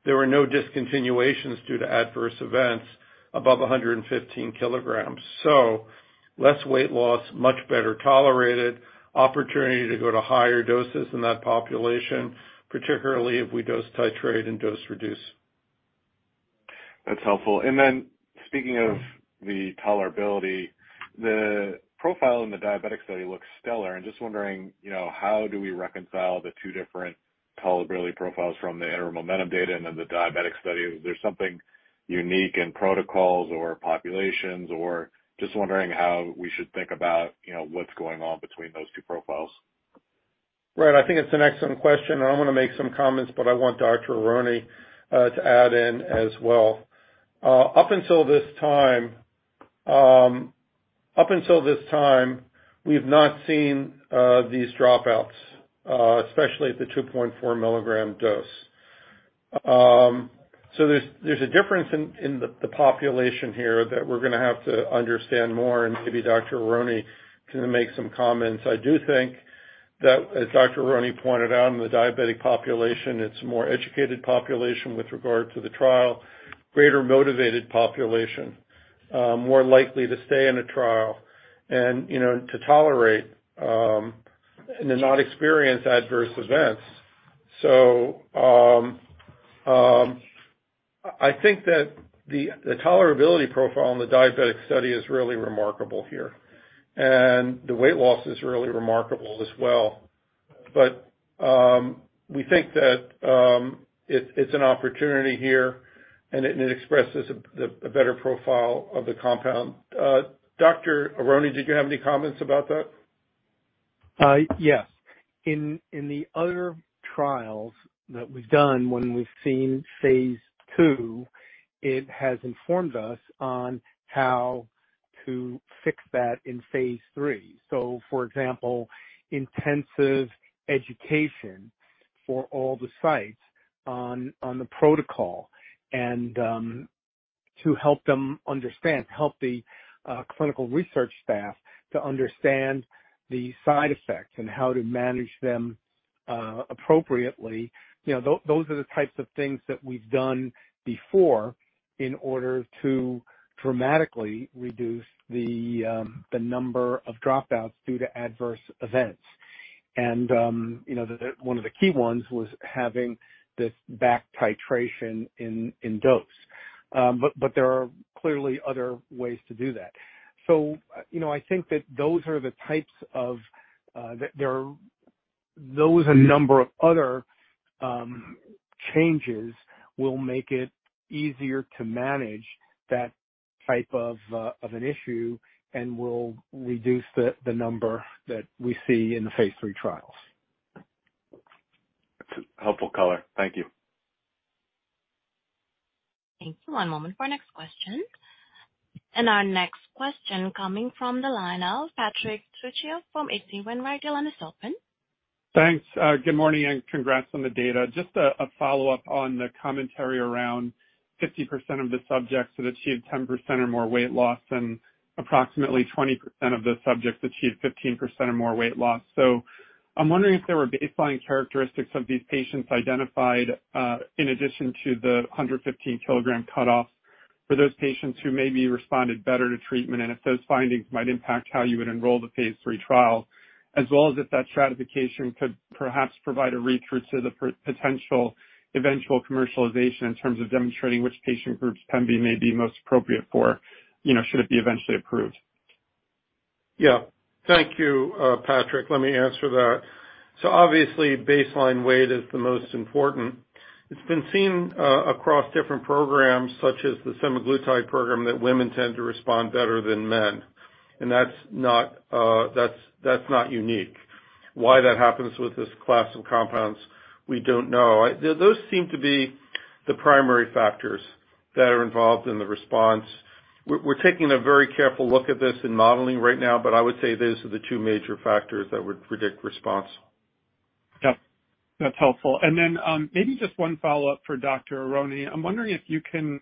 there were no discontinuations due to adverse events above 115 kilograms. Less weight loss, much better tolerated, opportunity to go to higher doses in that population, particularly if we dose titrate and dose reduce. That's helpful. Speaking of the tolerability, the profile in the diabetic study looks stellar. I'm just wondering, you know, how do we reconcile the two different tolerability profiles from the interim MOMENTUM data and then the diabetic study? Is there something unique in protocols or populations? Just wondering how we should think about, you know, what's going on between those two profiles? Right. I think it's an excellent question, and I'm gonna make some comments, but I want Dr. Aronne to add in as well. up until this time, up until this time, we've not seen these dropouts, especially at the 2.4 milligram dose. There's a difference in the population here that we're gonna have to understand more, and maybe Dr. Aronne can make some comments. I do think that, as Dr. Aronne pointed out, in the diabetic population, it's a more educated population with regard to the trial, greater motivated population, more likely to stay in a trial and, you know, to tolerate, and to not experience adverse events. I think that the tolerability profile in the diabetic study is really remarkable here, and the weight loss is really remarkable as well. We think that it's an opportunity here, and it expresses a, the, a better profile of the compound. Dr. Aronne, did you have any comments about that? Yes. In the other trials that we've done, when we've seen phase II, it has informed us on how to fix that in phase III. For example, intensive education for all the sites on the protocol and to help them understand, help the clinical research staff to understand the side effects and how to manage them appropriately. You know, those are the types of things that we've done before in order to dramatically reduce the number of dropouts due to adverse events. You know, one of the key ones was having this back titration in dose. But there are clearly other ways to do that. You know, I think that those are the types of that there are... Those, a number of other, changes will make it easier to manage that type of an issue and will reduce the number that we see in the phase III trials. That's helpful color. Thank you. Thank you. One moment for our next question. Our next question coming from the line of Patrick Trucchio from H.C. Wainwright. Your line is open. Thanks. Good morning, and congrats on the data. Just a follow-up on the commentary around 50% of the subjects that achieved 10% or more weight loss, and approximately 20% of the subjects achieved 15% or more weight loss. I'm wondering if there were baseline characteristics of these patients identified, in addition to the 115 kg cutoff for those patients who maybe responded better to treatment, and if those findings might impact how you would enroll the phase III trial. As well as if that stratification could perhaps provide a read-through to the potential eventual commercialization in terms of demonstrating which patient groups pemvidutide may be most appropriate for, you know, should it be eventually approved. Yeah. Thank you, Patrick. Let me answer that. Obviously, baseline weight is the most important. It's been seen across different programs, such as the semaglutide program, that women tend to respond better than men. That's not unique. Why that happens with this class of compounds, we don't know. Those seem to be the primary factors that are involved in the response. We're taking a very careful look at this in modeling right now, I would say those are the two major factors that would predict response. Yeah. That's helpful. Then, maybe just one follow-up for Dr. Aronne. I'm wondering if you can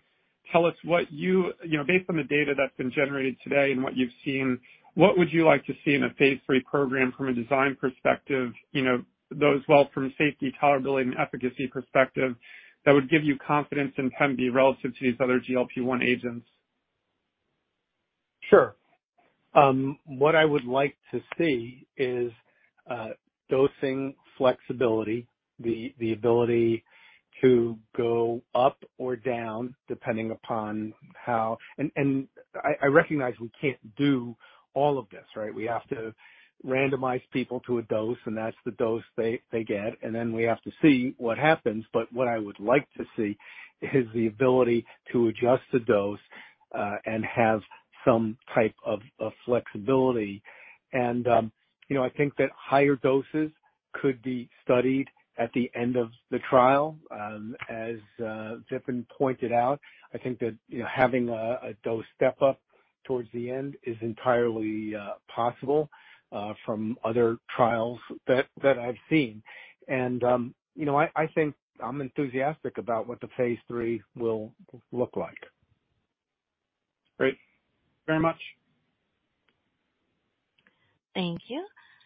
tell us what you know, based on the data that's been generated today and what you've seen, what would you like to see in a phase III program from a design perspective, you know, well from safety, tolerability, and efficacy perspective, that would give you confidence in pemvidutide relative to these other GLP-1 agents? Sure. What I would like to see is dosing flexibility, the ability to go up or down, depending upon how. I recognize we can't do all of this, right? We have to randomize people to a dose, and that's the dose they get, and then we have to see what happens. What I would like to see is the ability to adjust the dose and have some type of flexibility. You know, I think that higher doses could be studied at the end of the trial. As Vipin pointed out, I think that, you know, having a dose step up towards the end is entirely possible from other trials that I've seen. You know, I think I'm enthusiastic about what the phase III will look like. Great. Thank you very much. Thank you.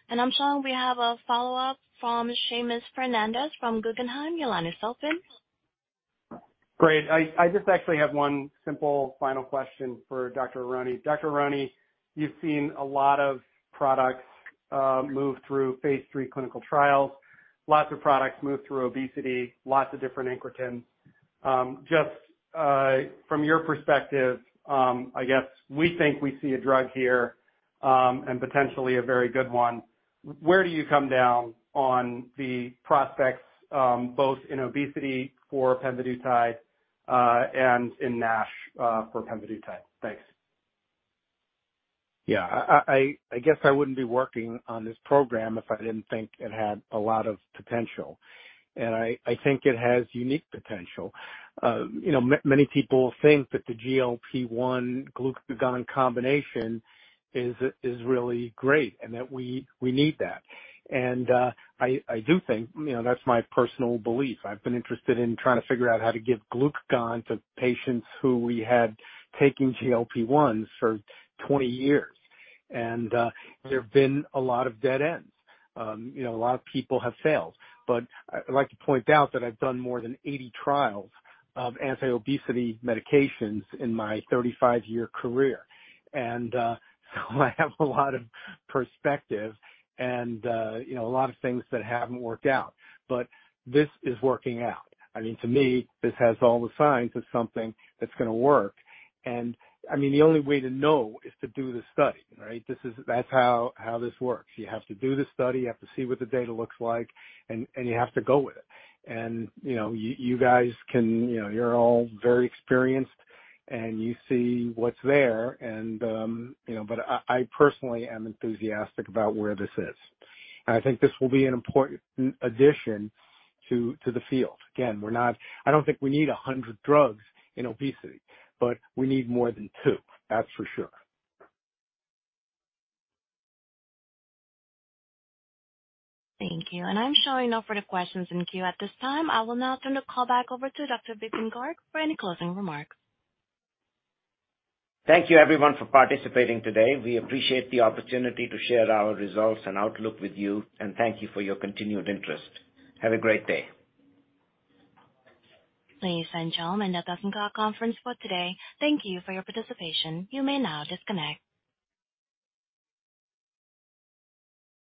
I'm showing we have a follow-up from Seamus Fernandez from Guggenheim. Your line is open. Great. I just actually have one simple final question for Dr. Aronne. Dr. Aronne, you've seen a lot of products move through phase III clinical trials. Lots of products move through obesity, lots of different incretins. Just from your perspective, I guess we think we see a drug here, and potentially a very good one. Where do you come down on the prospects, both in obesity for pemvidutide, and in NASH for pemvidutide? Thanks. Yeah. I guess I wouldn't be working on this program if I didn't think it had a lot of potential, and I think it has unique potential. you know, many people think that the GLP-1 glucagon combination is really great and that we need that. I do think, you know, that's my personal belief. I've been interested in trying to figure out how to give glucagon to patients who we had taking GLP-1s for 20 years. There have been a lot of dead ends. you know, a lot of people have failed. I'd like to point out that I've done more than 80 trials of anti-obesity medications in my 35-year career, I have a lot of perspective and, you know, a lot of things that haven't worked out. This is working out. I mean, to me, this has all the signs of something that's gonna work. I mean, the only way to know is to do the study, right? That's how this works. You have to do the study, you have to see what the data looks like, and you have to go with it. You know, you're all very experienced, and you see what's there and, you know. I personally am enthusiastic about where this is. I think this will be an important addition to the field. Again, I don't think we need 100 drugs in obesity, but we need more than 2. That's for sure. Thank you. I'm showing no further questions in queue at this time. I will now turn the call back over to Dr. Vipin Garg for any closing remarks. Thank you everyone for participating today. We appreciate the opportunity to share our results and outlook with you, and thank you for your continued interest. Have a great day. Please stand by. That does end our conference for today. Thank you for your participation. You may now disconnect.